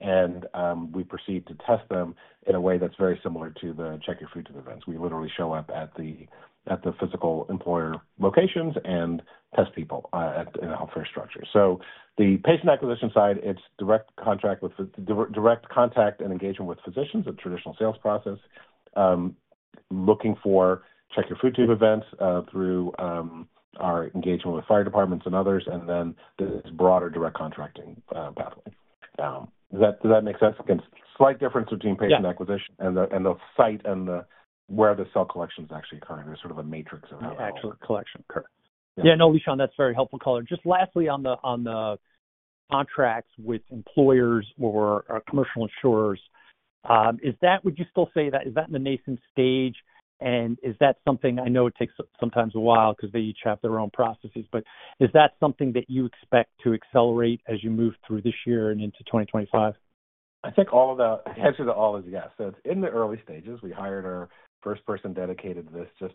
and we proceed to test them in a way that's very similar to the Check Your Food Tube events. We literally show up at the physical employer locations and test people at, in a health care structure. So the patient acquisition side, it's direct contract with the direct contact and engagement with physicians, the traditional sales process, looking for Check Your Food Tube events, through our engagement with fire departments and others, and then this broader direct contracting pathway. Does that, does that make sense? Again, slight difference between patient- Yeah. acquisition and the site where the cell collection is actually occurring. There's sort of a matrix of how- Actual collection occur. Yeah. No, Lishan, that's a very helpful color. Just lastly, on the contracts with employers or commercial insurers, is that—would you still say that, is that in the nascent stage? And is that something? I know it takes sometimes a while because they each have their own processes, but is that something that you expect to accelerate as you move through this year and into 2025? I think the answer to all is yes. So it's in the early stages. We hired our first person dedicated to this just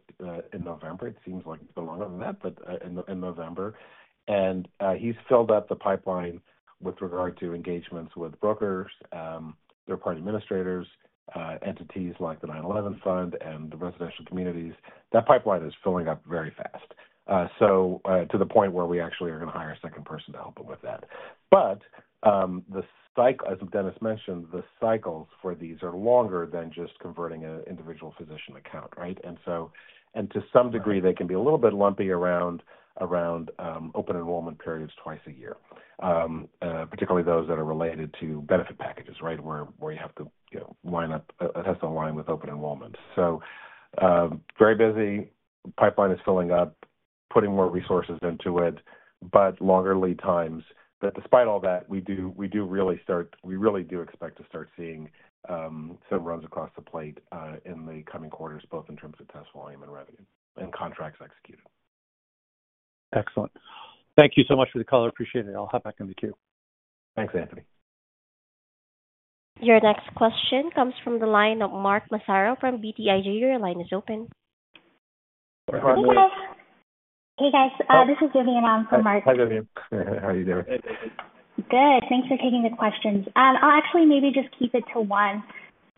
in November. It seems like longer than that, but in November. And he's filled up the pipeline with regard to engagements with brokers, third-party administrators, entities like the 9/11 Fund and the residential communities. That pipeline is filling up very fast. So to the point where we actually are going to hire a second person to help him with that. But the cycle, as Dennis mentioned, the cycles for these are longer than just converting an individual physician account, right? And so, and to some degree, they can be a little bit lumpy around open enrollment periods twice a year. Particularly those that are related to benefit packages, right? Where you have to, you know, line up, it has to align with open enrollment. So, very busy. Pipeline is filling up, putting more resources into it, but longer lead times. But despite all that, we really do expect to start seeing some runs across the plate in the coming quarters, both in terms of test volume and revenue and contracts executed. Excellent. Thank you so much for the call. I appreciate it. I'll hop back in the queue. Thanks, Anthony. Your next question comes from the line of Mark Massaro from BTIG. Your line is open. Hey, guys. Hey, guys, this is Vidyun Bais in for Mark. Hi, Vidyun. How are you doing? Good. Thanks for taking the questions. I'll actually maybe just keep it to one.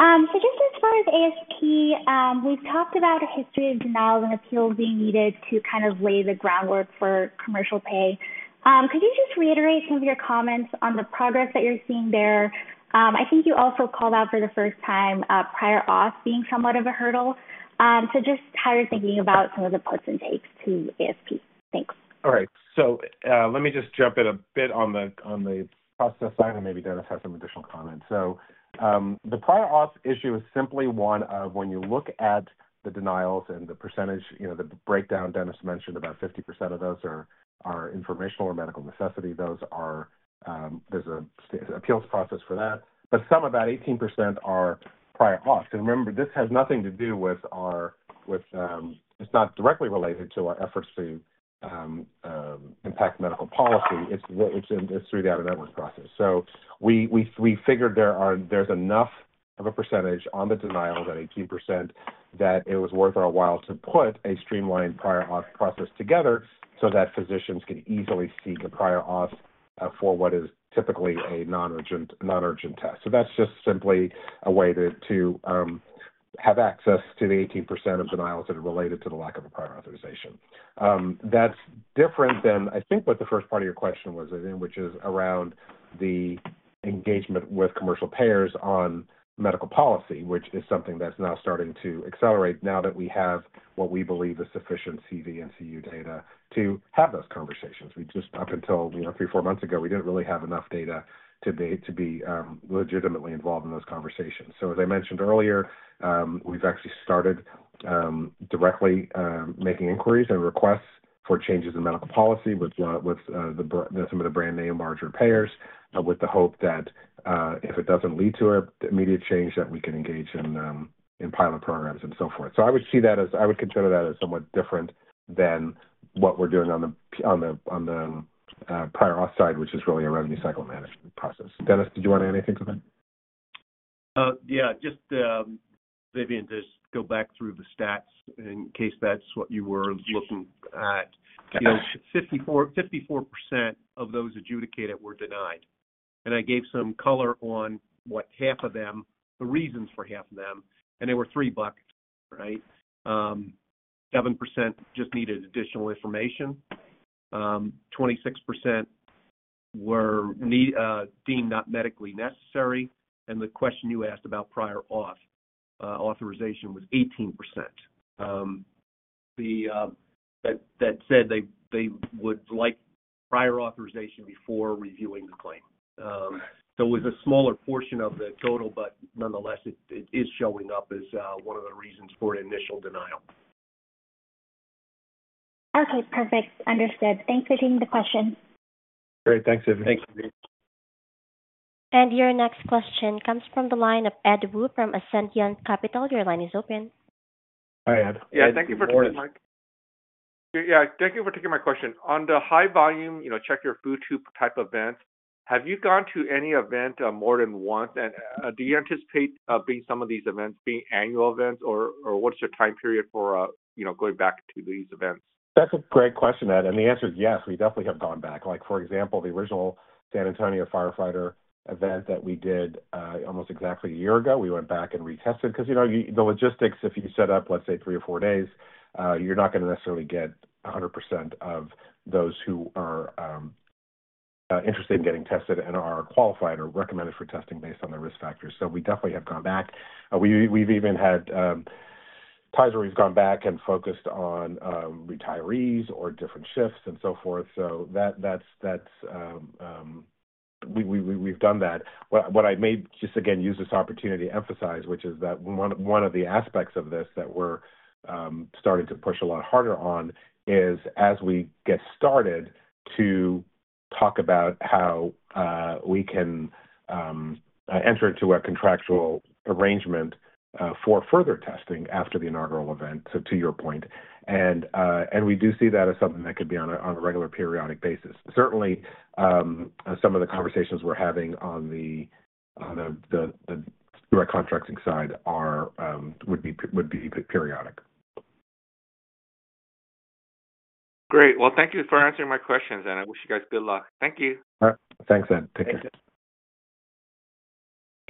So just as far as ASP, we've talked about a history of denials and appeals being needed to kind of lay the groundwork for commercial pay. Could you just reiterate some of your comments on the progress that you're seeing there? I think you also called out for the first time, prior auth being somewhat of a hurdle. So just how you're thinking about some of the puts and takes to ASP? Thanks. All right. So, let me just jump in a bit on the process side, and maybe Dennis has some additional comments. So, the prior auth issue is simply one of when you look at the denials and the percentage, you know, the breakdown, Dennis mentioned about 50% of those are informational or medical necessity. Those are, there's a standard appeals process for that, but some, about 18% are prior auth. So remember, this has nothing to do with our. With, it's not directly related to our efforts to impact medical policy. It's what. It's, it's through the out-of-network process. So we figured there's enough of a percentage on the denials, that 18%, that it was worth our while to put a streamlined prior auth process together so that physicians could easily seek a prior auth for what is typically a non-urgent test. So that's just simply a way to have access to the 18% of denials that are related to the lack of a prior authorization. That's different than I think what the first part of your question was, which is around the engagement with commercial payers on medical policy, which is something that's now starting to accelerate now that we have what we believe is sufficient CV and CU data to have those conversations. We just up until, you know, three, four months ago, we didn't really have enough data to be legitimately involved in those conversations. So as I mentioned earlier, we've actually started directly making inquiries and requests for changes in medical policy with some of the brand name, larger payers, with the hope that if it doesn't lead to an immediate change, that we can engage in pilot programs and so forth. So I would see that as. I would consider that as somewhat different than what we're doing on the prior auth side, which is really a revenue cycle management process. Dennis, did you want to add anything to that? Yeah, just, Vidyun Bais, just go back through the stats in case that's what you were looking at. 54, 54% of those adjudicated were denied, and I gave some color on what half of them, the reasons for half of them, and they were three buckets, right? Seven percent just needed additional information. Twenty-six percent-... were deemed not medically necessary. And the question you asked about prior auth, authorization was 18%. That said, they would like prior authorization before reviewing the claim. So it was a smaller portion of the total, but nonetheless, it is showing up as one of the reasons for an initial denial. Okay, perfect. Understood. Thanks for taking the question. Great. Thanks, Vidyun. Thanks, Vidyun. Your next question comes from the line of Edward Woo from Ascendiant Capital Markets. Your line is open. Hi, Edward. Yeah, thank you for taking my call. Yeah, thank you for taking my question. On the high volume, you know, Check Your Food Tube type events, have you gone to any event more than once? And do you anticipate being some of these events being annual events, or what's your time period for, you know, going back to these events? That's a great question, Edward, and the answer is yes. We definitely have gone back. Like, for example, the original San Antonio firefighter event that we did almost exactly a year ago, we went back and retested. Because, you know, the logistics, if you set up, let's say, three or four days, you're not gonna necessarily get 100% of those who are interested in getting tested and are qualified or recommended for testing based on their risk factors. So we definitely have gone back. We've even had times where we've gone back and focused on retirees or different shifts and so forth. So that's that. We've done that. What I may just again use this opportunity to emphasize, which is that one of the aspects of this that we're starting to push a lot harder on is, as we get started, to talk about how we can enter into a contractual arrangement for further testing after the inaugural event, so to your point. And we do see that as something that could be on a regular periodic basis. Certainly, some of the conversations we're having on the direct contracting side would be periodic. Great. Well, thank you for answering my questions, and I wish you guys good luck. Thank you. All right. Thanks, Edward. Take care.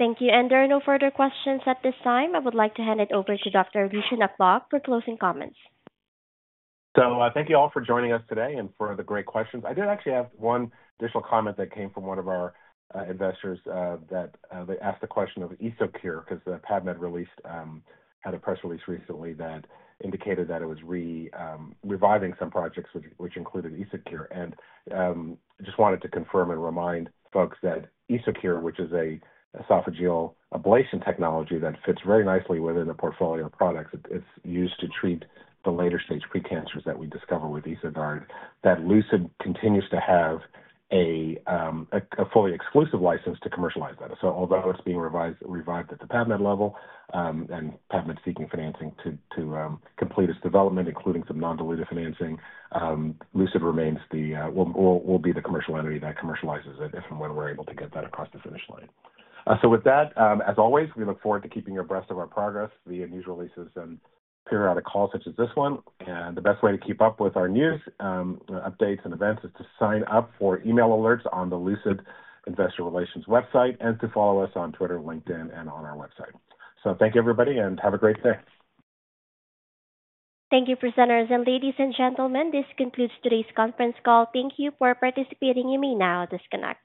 Thanks, Edward. Thank you. There are no further questions at this time. I would like to hand it over to Dr. Lishan Aklog for closing comments. So, thank you all for joining us today and for the great questions. I did actually have one additional comment that came from one of our investors that they asked a question of EsoCure, 'cause the PAVmed release had a press release recently that indicated that it was reviving some projects which included EsoCure. And just wanted to confirm and remind folks that EsoCure, which is a esophageal ablation technology that fits very nicely within the portfolio of products. It's used to treat the later-stage pre-cancers that we discover with EsoGuard, that Lucid continues to have a fully exclusive license to commercialize that. So although it's being revived at the PAVmed level, and PAVmed is seeking financing to complete its development, including some non-dilutive financing, Lucid remains the will be the commercial entity that commercializes it if and when we're able to get that across the finish line. So with that, as always, we look forward to keeping you abreast of our progress via news releases and periodic calls such as this one. The best way to keep up with our news, updates and events is to sign up for email alerts on the Lucid Investor Relations website and to follow us on Twitter, LinkedIn, and on our website. So thank you, everybody, and have a great day. Thank you, presenters, and ladies and gentlemen, this concludes today's conference call. Thank you for participating. You may now disconnect.